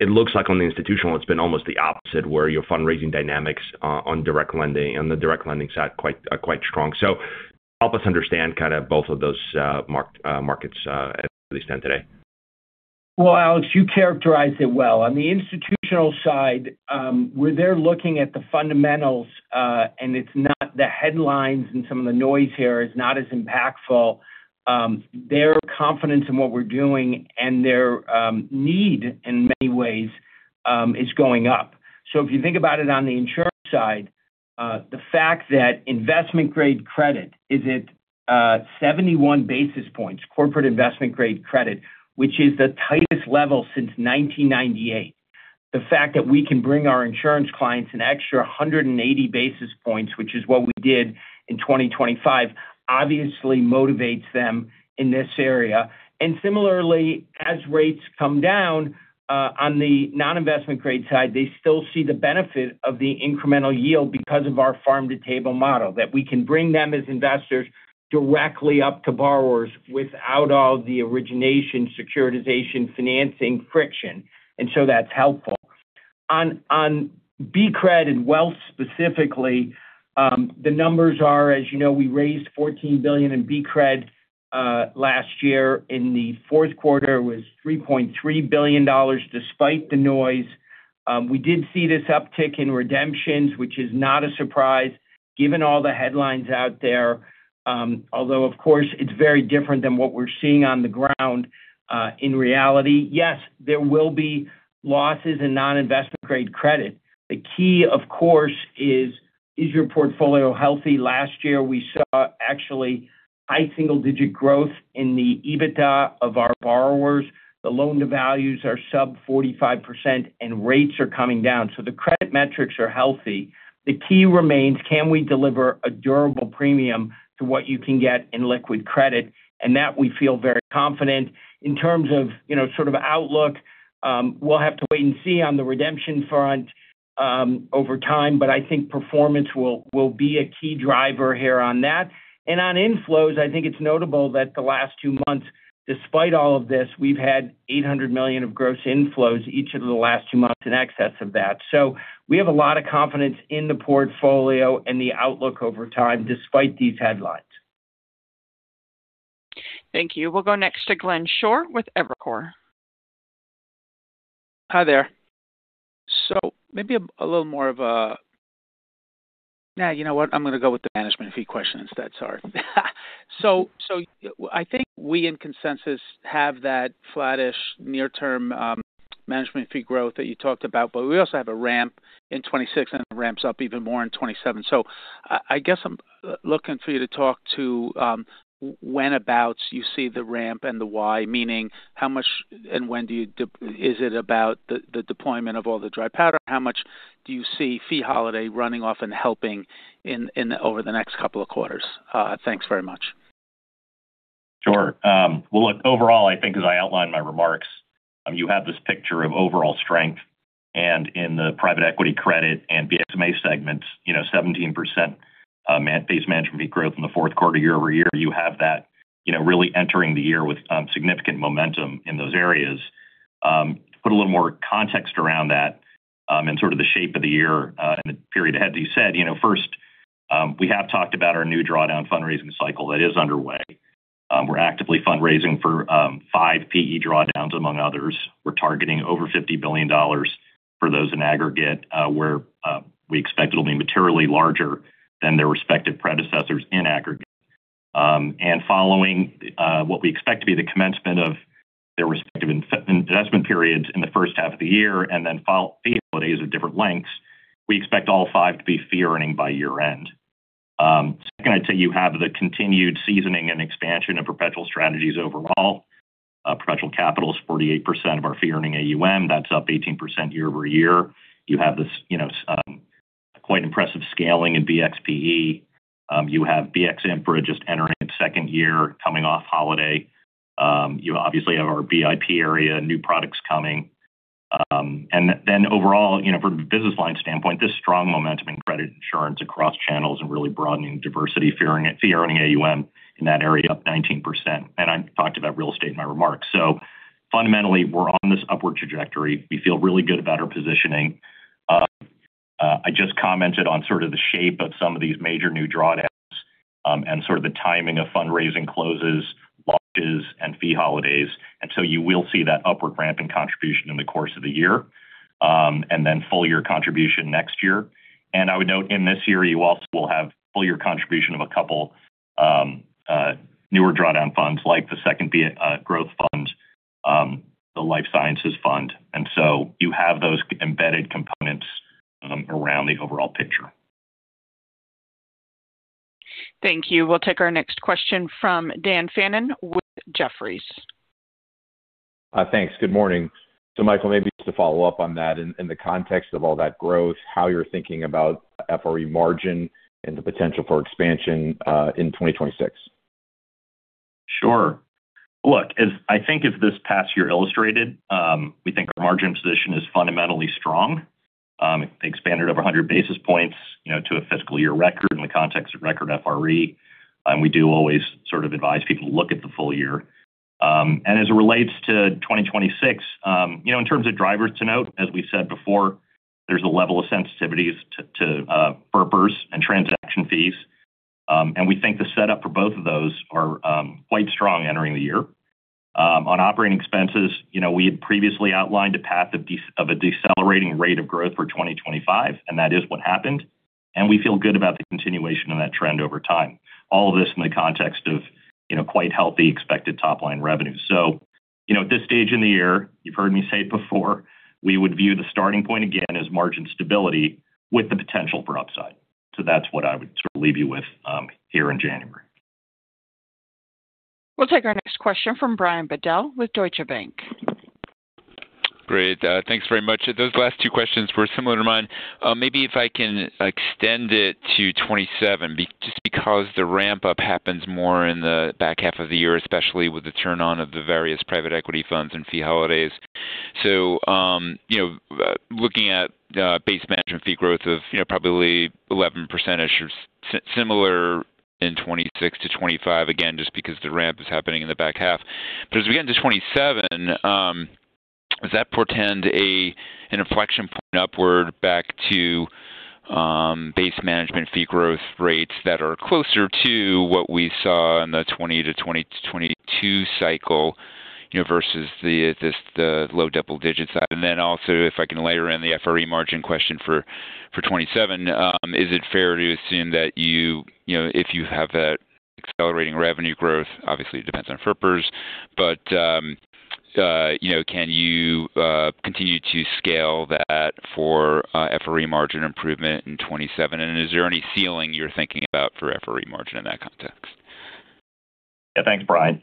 it looks like on the institutional, it's been almost the opposite, where your fundraising dynamics on direct lending and the direct lending side are quite strong. So help us understand kind of both of those markets at least today. Well, Alex, you characterized it well. On the institutional side, where they're looking at the fundamentals, and it's not the headlines and some of the noise here is not as impactful, their confidence in what we're doing and their need in many ways is going up. So if you think about it on the insurance side, the fact that investment-grade credit is at 71 basis points, corporate investment-grade credit, which is the tightest level since 1998, the fact that we can bring our insurance clients an extra 180 basis points, which is what we did in 2025, obviously motivates them in this area. And similarly, as rates come down on the non-investment-grade side, they still see the benefit of the incremental yield because of our farm-to-table model, that we can bring them as investors directly up to borrowers without all the origination, securitization, financing friction. And so that's helpful. On BCRED and wealth specifically, the numbers are, as you know, we raised $14 billion in BCRED last year. In the fourth quarter, it was $3.3 billion despite the noise. We did see this uptick in redemptions, which is not a surprise given all the headlines out there, although, of course, it's very different than what we're seeing on the ground in reality. Yes, there will be losses in non-investment-grade credit. The key, of course, is your portfolio healthy. Last year, we saw actually high single-digit growth in the EBITDA of our borrowers. The loan-to-values are sub 45%, and rates are coming down. So the credit metrics are healthy. The key remains, can we deliver a durable premium to what you can get in liquid credit? And that we feel very confident. In terms of sort of outlook, we'll have to wait and see on the redemption front over time, but I think performance will be a key driver here on that. On inflows, I think it's notable that the last two months, despite all of this, we've had $800 million of gross inflows each of the last two months in excess of that. So we have a lot of confidence in the portfolio and the outlook over time despite these headlines. Thank you. We'll go next to Glenn Schorr with Evercore. Hi there. So maybe a little more of a, yeah, you know what? I'm going to go with the management fee question instead, sorry. So I think we in consensus have that flattish near-term management fee growth that you talked about, but we also have a ramp in 2026, and it ramps up even more in 2027. So I guess I'm looking for you to talk about whenabouts you see the ramp and the why, meaning how much and when do you—is it about the deployment of all the dry powder? How much do you see fee holiday running off and helping over the next couple of quarters? Thanks very much. Sure. Well, look, overall, I think as I outline my remarks, you have this picture of overall strength, and in the private equity credit and BXMA segments, 17% base management fee growth in the fourth quarter year-over-year, you have that really entering the year with significant momentum in those areas. To put a little more context around that and sort of the shape of the year and the period ahead, you said, first, we have talked about our new drawdown fundraising cycle that is underway. We're actively fundraising for five PE drawdowns, among others. We're targeting over $50 billion for those in aggregate, where we expect it will be materially larger than their respective predecessors in aggregate. Following what we expect to be the commencement of their respective investment periods in the first half of the year and then fee holidays of different lengths, we expect all five to be fee-earning by year-end. Second, I'd say you have the continued seasoning and expansion of perpetual strategies overall. Perpetual Capital is 48% of our fee-earning AUM. That's up 18% year-over-year. You have this quite impressive scaling in BXPE. You have BX Infra just entering its second year coming off holiday. You obviously have our BIP area, new products coming. And then overall, from a business line standpoint, this strong momentum in credit insurance across channels and really broadening diversity, fee-earning AUM in that area, up 19%. And I talked about real estate in my remarks. So fundamentally, we're on this upward trajectory. We feel really good about our positioning. I just commented on sort of the shape of some of these major new drawdowns and sort of the timing of fundraising closes, launches, and fee holidays. And so you will see that upward ramp in contribution in the course of the year and then full-year contribution next year. And I would note in this year, you also will have full-year contribution of a couple newer drawdown funds like the second growth fund, the life sciences fund. And so you have those embedded components around the overall picture. Thank you. We'll take our next question from Dan Fannon with Jefferies. Thanks. Good morning. So Michael, maybe just to follow up on that, in the context of all that growth, how you're thinking about FRE margin and the potential for expansion in 2026? Sure. Look, I think as this past year illustrated, we think our margin position is fundamentally strong. They expanded over 100 basis points to a fiscal year record in the context of record FRE. And we do always sort of advise people to look at the full year. And as it relates to 2026, in terms of drivers to note, as we said before, there's a level of sensitivities to FRPers and transaction fees. And we think the setup for both of those are quite strong entering the year. On operating expenses, we had previously outlined a path of a decelerating rate of growth for 2025, and that is what happened. We feel good about the continuation of that trend over time. All of this in the context of quite healthy expected top-line revenue. At this stage in the year, you've heard me say it before, we would view the starting point again as margin stability with the potential for upside. That's what I would sort of leave you with here in January. We'll take our next question from Brian Bedell with Deutsche Bank. Great. Thanks very much. Those last two questions were similar to mine. Maybe if I can extend it to 2027, just because the ramp-up happens more in the back half of the year, especially with the turn on of the various private equity funds and fee holidays. Looking at base management fee growth of probably 11%-ish or similar in 2026 to 2025, again, just because the ramp is happening in the back half. But as we get into 2027, does that portend an inflection point upward back to base management fee growth rates that are closer to what we saw in the 2020 to 2022 cycle versus the low double-digit side? And then also, if I can layer in the FRE margin question for 2027, is it fair to assume that if you have that accelerating revenue growth, obviously it depends on FRPers, but can you continue to scale that for FRE margin improvement in 2027? And is there any ceiling you're thinking about for FRE margin in that context? Yeah. Thanks, Brian.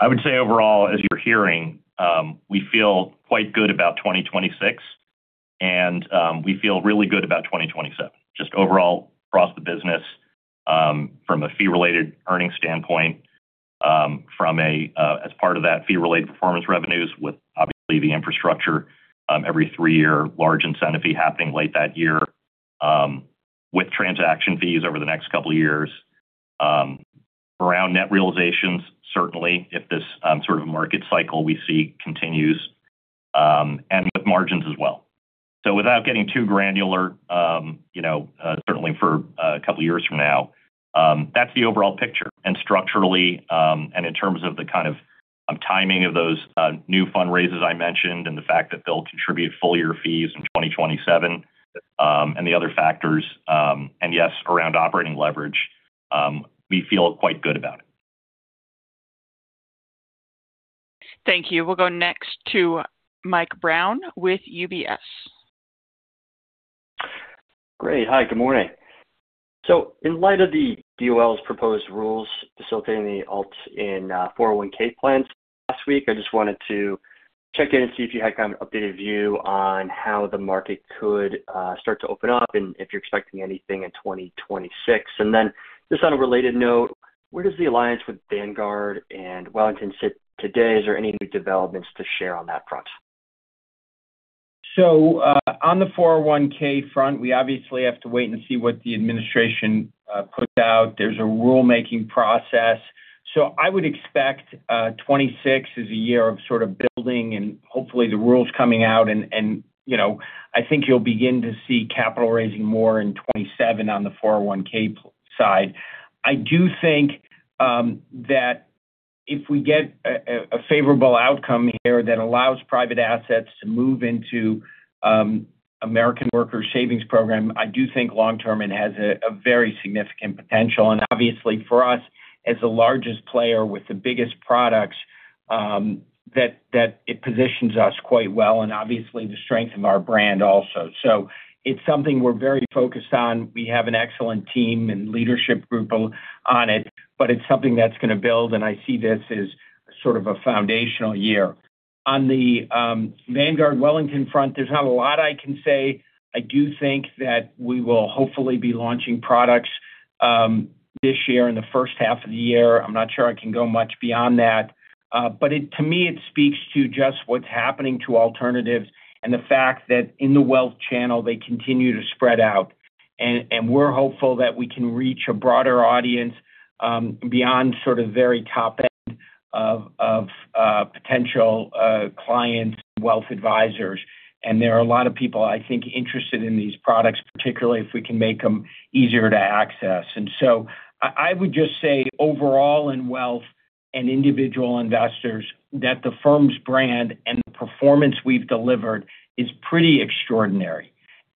I would say overall, as you're hearing, we feel quite good about 2026, and we feel really good about 2027. Just overall across the business from a fee-related earnings standpoint, as part of that fee-related performance revenues, with obviously the Infrastructure every three-year large incentive fee happening late that year, with transaction fees over the next couple of years around net realizations, certainly if this sort of market cycle we see continues, and with margins as well. So without getting too granular, certainly for a couple of years from now, that's the overall picture. Structurally, in terms of the kind of timing of those new fundraisers I mentioned, and the fact that they'll contribute full-year fees in 2027, and the other factors, and yes, around operating leverage, we feel quite good about it. Thank you. We'll go next to Mike Brown with UBS. Great. Hi, good morning. So in light of the DOL's proposed rules facilitating the alts in 401(k) plans last week, I just wanted to check in and see if you had kind of an updated view on how the market could start to open up and if you're expecting anything in 2026. And then just on a related note, where does the alliance with Vanguard and Wellington sit today? Is there any new developments to share on that front? So on the 401(k) front, we obviously have to wait and see what the administration puts out. There's a rulemaking process. So I would expect 2026 is a year of sort of building and hopefully the rules coming out. And I think you'll begin to see capital raising more in 2027 on the 401(k) side. I do think that if we get a favorable outcome here that allows private assets to move into American Workers' Savings Program, I do think long-term it has a very significant potential. And obviously for us as the largest player with the biggest products, that it positions us quite well and obviously the strength of our brand also. So it's something we're very focused on. We have an excellent team and leadership group on it, but it's something that's going to build, and I see this as sort of a foundational year. On the Vanguard Wellington front, there's not a lot I can say. I do think that we will hopefully be launching products this year in the first half of the year. I'm not sure I can go much beyond that. But to me, it speaks to just what's happening to alternatives and the fact that in the wealth channel, they continue to spread out. And we're hopeful that we can reach a broader audience beyond sort of very top-end of potential clients and wealth advisors. And there are a lot of people, I think, interested in these products, particularly if we can make them easier to access. And so I would just say overall in wealth and individual investors, that the firm's brand and the performance we've delivered is pretty extraordinary.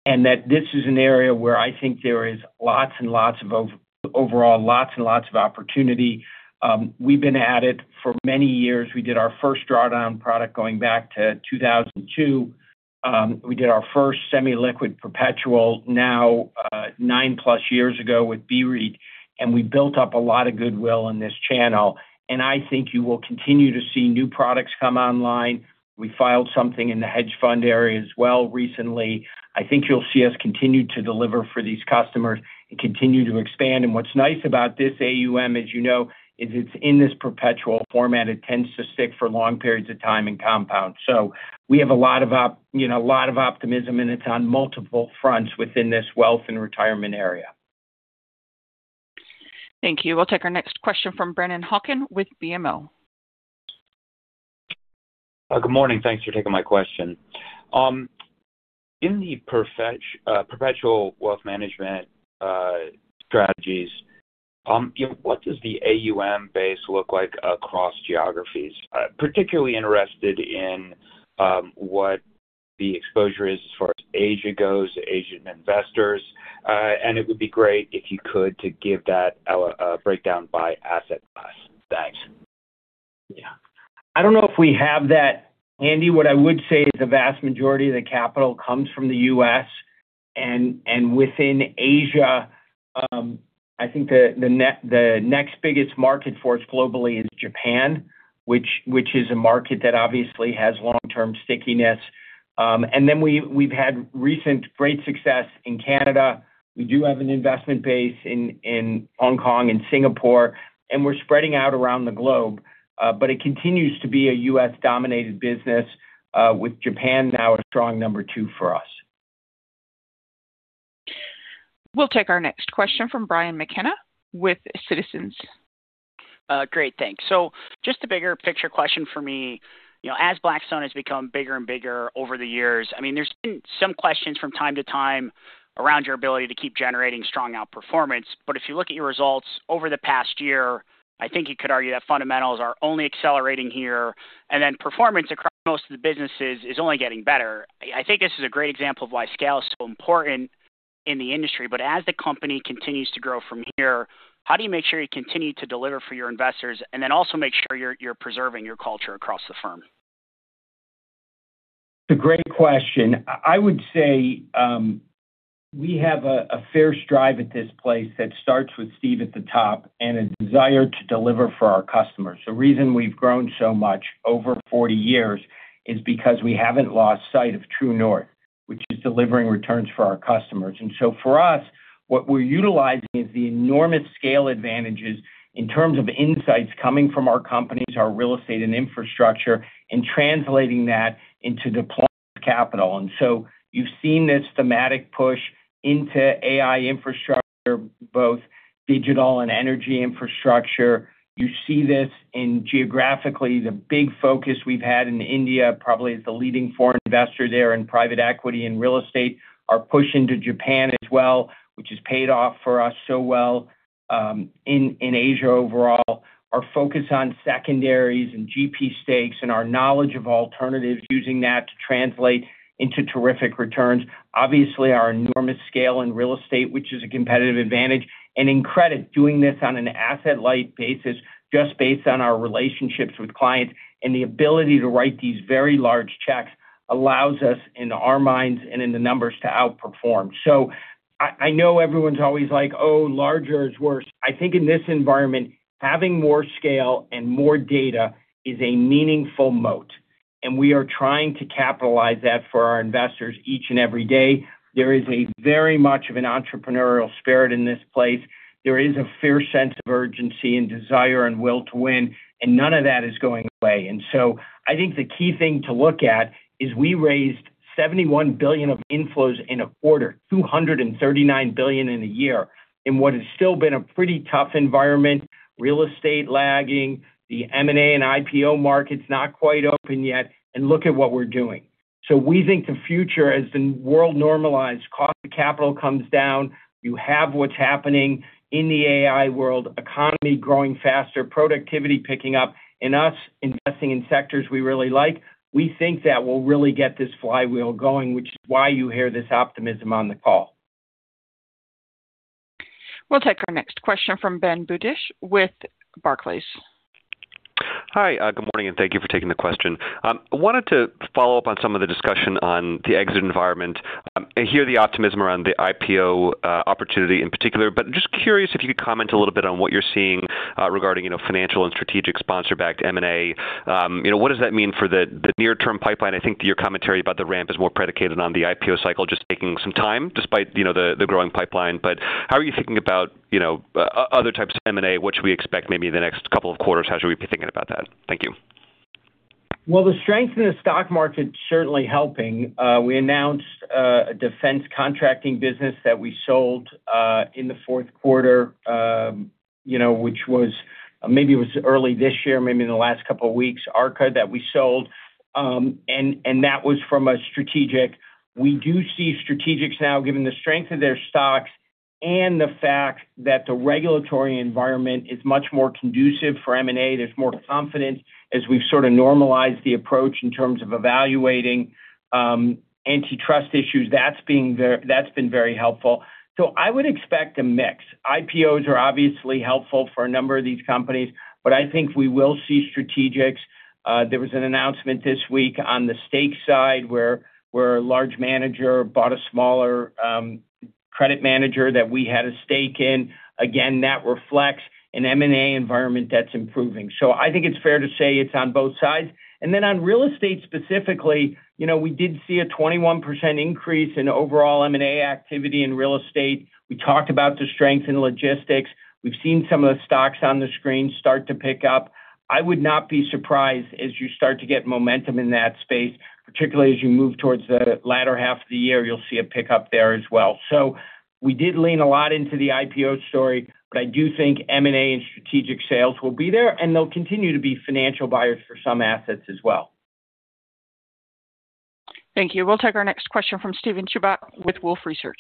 And that this is an area where I think there is lots and lots of overall, lots and lots of opportunity. We've been at it for many years. We did our first drawdown product going back to 2002. We did our first semi-liquid perpetual now 9+ years ago with BCRED, and we built up a lot of goodwill in this channel. I think you will continue to see new products come online. We filed something in the hedge fund area as well recently. I think you'll see us continue to deliver for these customers and continue to expand. What's nice about this AUM, as you know, is it's in this perpetual format. It tends to stick for long periods of time and compound. We have a lot of optimism, and it's on multiple fronts within this wealth and retirement area. Thank you. We'll take our next question from Brennan Hawken with BMO. Good morning. Thanks for taking my question. In the perpetual wealth management strategies, what does the AUM base look like across geographies? Particularly interested in what the exposure is as far as Asia goes, Asian investors. And it would be great if you could give that a breakdown by asset class. Thanks. Yeah. I don't know if we have that handy. What I would say is the vast majority of the capital comes from the U.S. and within Asia, I think the next biggest market for us globally is Japan, which is a market that obviously has long-term stickiness. And then we've had recent great success in Canada. We do have an investment base in Hong Kong and Singapore, and we're spreading out around the globe. But it continues to be a U.S.-dominated business with Japan now a strong number two for us. We'll take our next question from Brian McKenna with Citizens. Great. Thanks. So just a bigger picture question for me. As Blackstone has become bigger and bigger over the years, I mean, there's been some questions from time to time around your ability to keep generating strong outperformance. But if you look at your results over the past year, I think you could argue that fundamentals are only accelerating here. And then performance across most of the businesses is only getting better. I think this is a great example of why scale is so important in the industry. But as the company continues to grow from here, how do you make sure you continue to deliver for your investors and then also make sure you're preserving your culture across the firm? It's a great question. I would say we have a fierce drive at this place that starts with Steve at the top and a desire to deliver for our customers. The reason we've grown so much over 40 years is because we haven't lost sight of True North, which is delivering returns for our customers. So for us, what we're utilizing is the enormous scale advantages in terms of insights coming from our companies, our real estate and Infrastructure, and translating that into deployment of capital. So you've seen this thematic push into AI Infrastructure, both digital and energy Infrastructure. You see this geographically. The big focus we've had in India, probably as the leading foreign investor there in private equity and real estate, our push into Japan as well, which has paid off for us so well in Asia overall, our focus on secondaries and GP stakes and our knowledge of alternatives using that to translate into terrific returns. Obviously, our enormous scale in real estate, which is a competitive advantage, and in credit, doing this on an asset-light basis, just based on our relationships with clients and the ability to write these very large checks allows us, in our minds and in the numbers, to outperform. So I know everyone's always like, "Oh, larger is worse." I think in this environment, having more scale and more data is a meaningful moat. And we are trying to capitalize that for our investors each and every day. There is very much of an entrepreneurial spirit in this place. There is a fair sense of urgency and desire and will to win. And none of that is going away. So I think the key thing to look at is we raised $71 billion of inflows in a quarter, $239 billion in a year, in what has still been a pretty tough environment, real estate lagging, the M&A and IPO markets not quite open yet, and look at what we're doing. So we think the future has been world normalized. Cost of capital comes down. You have what's happening in the AI world, economy growing faster, productivity picking up, and us investing in sectors we really like. We think that will really get this flywheel going, which is why you hear this optimism on the call. We'll take our next question from Ben Budish with Barclays. Hi, good morning, and thank you for taking the question. I wanted to follow up on some of the discussion on the exit environment and hear the optimism around the IPO opportunity in particular. But I'm just curious if you could comment a little bit on what you're seeing regarding financial and strategic sponsor-backed M&A. What does that mean for the near-term pipeline? I think your commentary about the ramp is more predicated on the IPO cycle, just taking some time despite the growing pipeline. But how are you thinking about other types of M&A? What should we expect maybe in the next couple of quarters? How should we be thinking about that? Thank you. Well, the strength in the stock market is certainly helping. We announced a defense contracting business that we sold in the fourth quarter, which was maybe early this year, maybe in the last couple of weeks, ARKA that we sold. That was from a strategic. We do see strategics now, given the strength of their stocks and the fact that the regulatory environment is much more conducive for M&A. There's more confidence as we've sort of normalized the approach in terms of evaluating antitrust issues. That's been very helpful. So I would expect a mix. IPOs are obviously helpful for a number of these companies, but I think we will see strategics. There was an announcement this week on the stake side where a large manager bought a smaller credit manager that we had a stake in. Again, that reflects an M&A environment that's improving. So I think it's fair to say it's on both sides. And then on real estate specifically, we did see a 21% increase in overall M&A activity in real estate. We talked about the strength in logistics. We've seen some of the stocks on the screen start to pick up. I would not be surprised as you start to get momentum in that space, particularly as you move towards the latter half of the year, you'll see a pickup there as well. So we did lean a lot into the IPO story, but I do think M&A and strategic sales will be there, and they'll continue to be financial buyers for some assets as well. Thank you. We'll take our next question from Steven Chubak with Wolfe Research.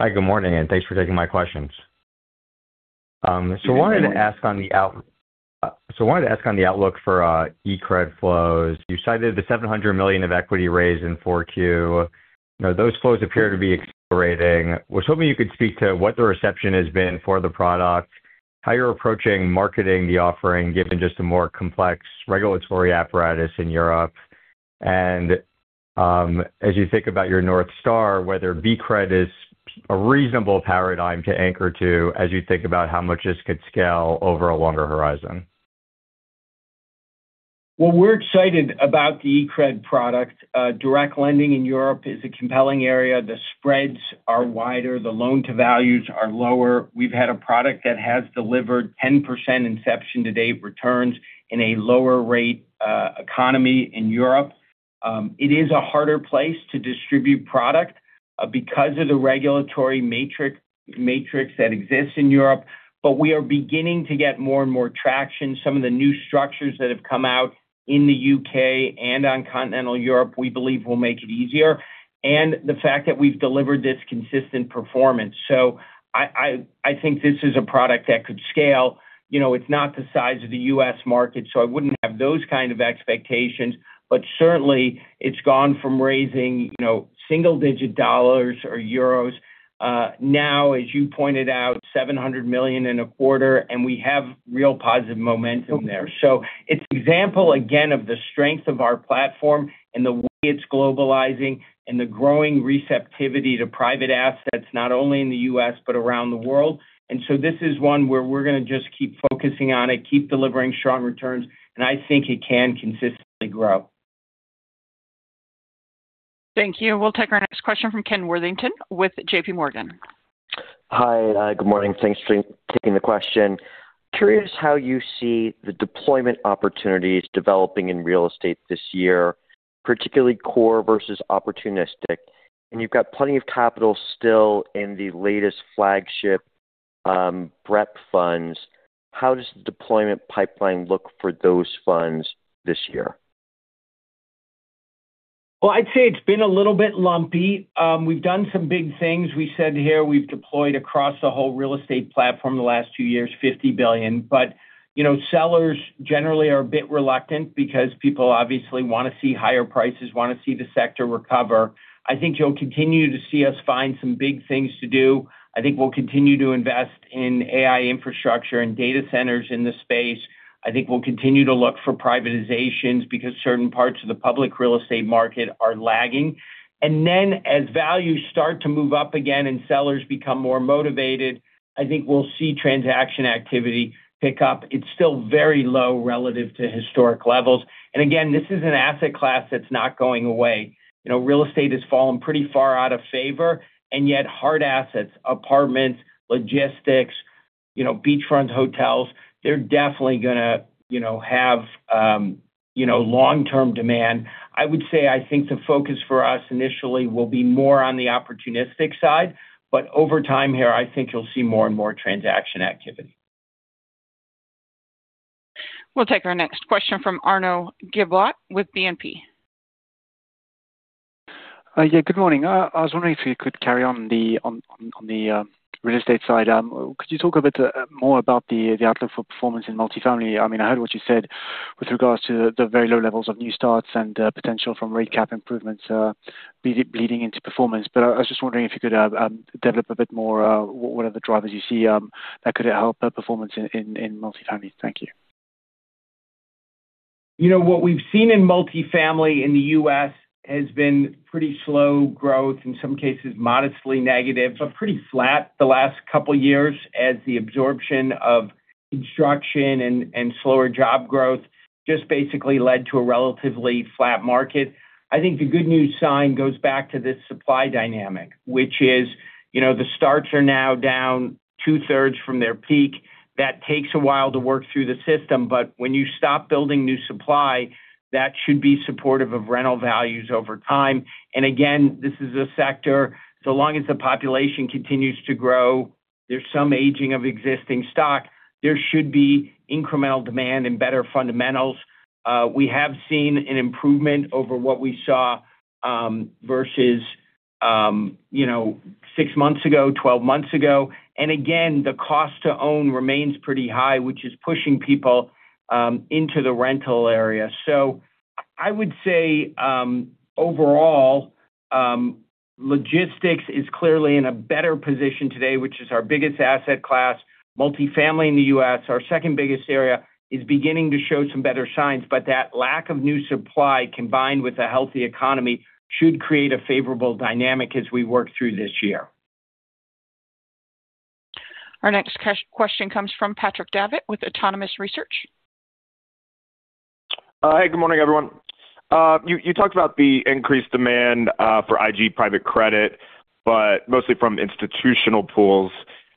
Hi, good morning, and thanks for taking my questions. So I wanted to ask on the outlook. So I wanted to ask on the outlook for private credit flows. You cited the $700 million of equity raised in 4Q. Those flows appear to be accelerating. I was hoping you could speak to what the reception has been for the product, how you're approaching marketing the offering given just a more complex regulatory apparatus in Europe. And as you think about your North Star, whether BCRED is a reasonable paradigm to anchor to as you think about how much this could scale over a longer horizon. Well, we're excited about the BCRED product. Direct lending in Europe is a compelling area. The spreads are wider. The loan-to-values are lower. We've had a product that has delivered 10% inception-to-date returns in a lower-rate economy in Europe. It is a harder place to distribute product because of the regulatory matrix that exists in Europe. But we are beginning to get more and more traction. Some of the new structures that have come out in the U.K. and on continental Europe, we believe, will make it easier. The fact that we've delivered this consistent performance. So I think this is a product that could scale. It's not the size of the U.S. market, so I wouldn't have those kinds of expectations. But certainly, it's gone from raising single-digit dollars or euros now, as you pointed out, 700 million in a quarter, and we have real positive momentum there. So it's an example, again, of the strength of our platform and the way it's globalizing and the growing receptivity to private assets, not only in the U.S., but around the world. And so this is one where we're going to just keep focusing on it, keep delivering strong returns, and I think it can consistently grow. Thank you. We'll take our next question from Kenneth Worthington with JPMorgan. Hi, good morning. Thanks for taking the question. Curious how you see the deployment opportunities developing in real estate this year, particularly core versus opportunistic. And you've got plenty of capital still in the latest flagship BREP funds. How does the deployment pipeline look for those funds this year? Well, I'd say it's been a little bit lumpy. We've done some big things. We said here we've deployed across the whole real estate platform the last few years, $50 billion. But sellers generally are a bit reluctant because people obviously want to see higher prices, want to see the sector recover. I think you'll continue to see us find some big things to do. I think we'll continue to invest in AI Infrastructure and data centers in the space. I think we'll continue to look for privatizations because certain parts of the public real estate market are lagging. And then as values start to move up again and sellers become more motivated, I think we'll see transaction activity pick up. It's still very low relative to historic levels. And again, this is an asset class that's not going away. Real estate has fallen pretty far out of favor. And yet hard assets, apartments, logistics, beachfront hotels, they're definitely going to have long-term demand. I would say I think the focus for us initially will be more on the opportunistic side. But over time here, I think you'll see more and more transaction activity. We'll take our next question from Arnaud Giblat with BNP. Yeah, good morning. I was wondering if you could carry on on the real estate side. Could you talk a bit more about the outlook for performance in multifamily? I mean, I heard what you said with regards to the very low levels of new starts and potential from rate cap improvements bleeding into performance. But I was just wondering if you could develop a bit more what are the drivers you see that could help performance in multifamily? Thank you. What we've seen in multifamily in the U.S. has been pretty slow growth, in some cases modestly negative, but pretty flat the last couple of years as the absorption of construction and slower job growth just basically led to a relatively flat market. I think the good news sign goes back to this supply dynamic, which is the starts are now down two-thirds from their peak. That takes a while to work through the system. But when you stop building new supply, that should be supportive of rental values over time. Again, this is a sector so long as the population continues to grow, there's some aging of existing stock, there should be incremental demand and better fundamentals. We have seen an improvement over what we saw versus six months ago, 12 months ago. Again, the cost to own remains pretty high, which is pushing people into the rental area. So I would say overall, logistics is clearly in a better position today, which is our biggest asset class. Multifamily in the U.S., our second biggest area, is beginning to show some better signs. But that lack of new supply combined with a healthy economy should create a favorable dynamic as we work through this year. Our next question comes from Patrick Davitt with Autonomous Research. Hi, good morning, everyone. You talked about the increased demand for IG Private Credit, but mostly from institutional pools.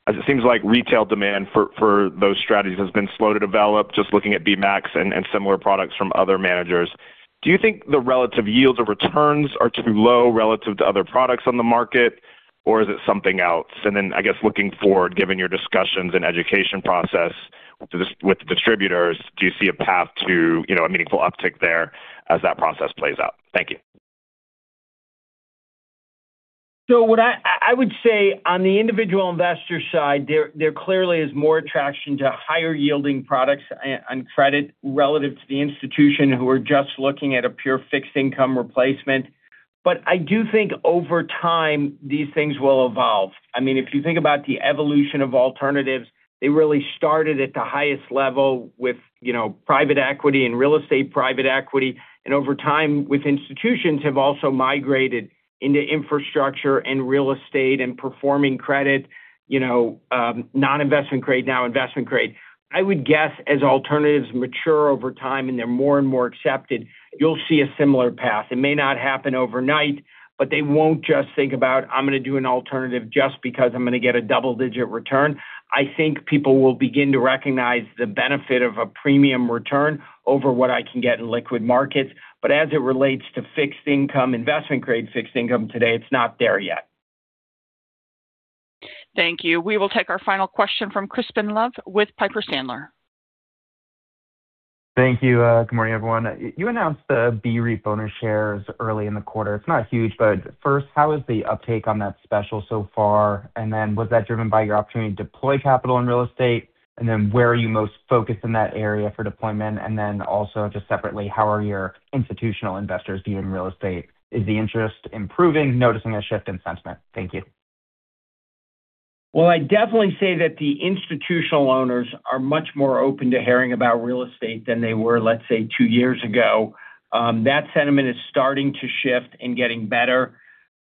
It seems like retail demand for those strategies has been slow to develop, just looking at BMAX and similar products from other managers. Do you think the relative yields of returns are too low relative to other products on the market, or is it something else? And then I guess looking forward, given your discussions and education process with the distributors, do you see a path to a meaningful uptick there as that process plays out? Thank you. I would say on the individual investor side, there clearly is more attraction to higher-yielding products on credit relative to the institution who are just looking at a pure fixed-income replacement. But I do think over time, these things will evolve. I mean, if you think about the evolution of alternatives, they really started at the highest level with private equity and real estate private equity. Over time, with institutions, have also migrated into infrastructure and real estate and performing credit, non-investment-grade now, investment-grade. I would guess as alternatives mature over time and they're more and more accepted, you'll see a similar path. It may not happen overnight, but they won't just think about, "I'm going to do an alternative just because I'm going to get a double-digit return." I think people will begin to recognize the benefit of a premium return over what I can get in liquid markets. But as it relates to fixed-income, investment-grade fixed-income today, it's not there yet. Thank you. We will take our final question from Crispin Love with Piper Sandler. Thank you. Good morning, everyone. You announced the BREP owner shares early in the quarter. It's not huge, but first, how is the uptake on that special so far? And then was that driven by your opportunity to deploy capital in real estate? And then where are you most focused in that area for deployment? And then also just separately, how are your institutional investors viewing real estate? Is the interest improving, noticing a shift in sentiment? Thank you. Well, I definitely say that the institutional owners are much more open to hearing about real estate than they were, let's say, two years ago. That sentiment is starting to shift and getting better.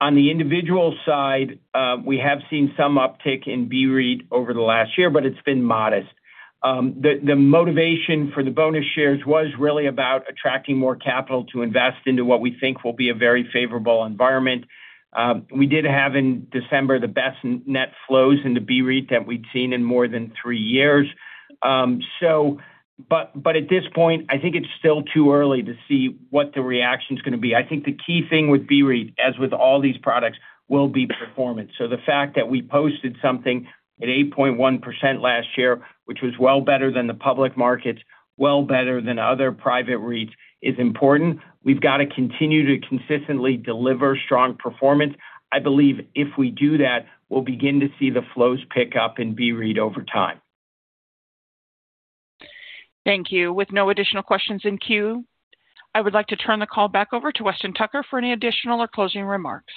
On the individual side, we have seen some uptick in BREP over the last year, but it's been modest. The motivation for the bonus shares was really about attracting more capital to invest into what we think will be a very favorable environment. We did have in December the best net flows in the BREP that we'd seen in more than three years. But at this point, I think it's still too early to see what the reaction is going to be. I think the key thing with BREP, as with all these products, will be performance. So the fact that we posted something at 8.1% last year, which was well better than the public markets, well better than other private REITs, is important. We've got to continue to consistently deliver strong performance. I believe if we do that, we'll begin to see the flows pick up in B-REAP over time. Thank you. With no additional questions in queue, I would like to turn the call back over to Weston Tucker for any additional or closing remarks.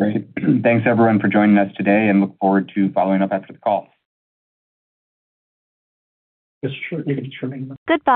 Great. Thanks, everyone, for joining us today, and look forward to following up after the call. Yes, sure. You can turn it. Good.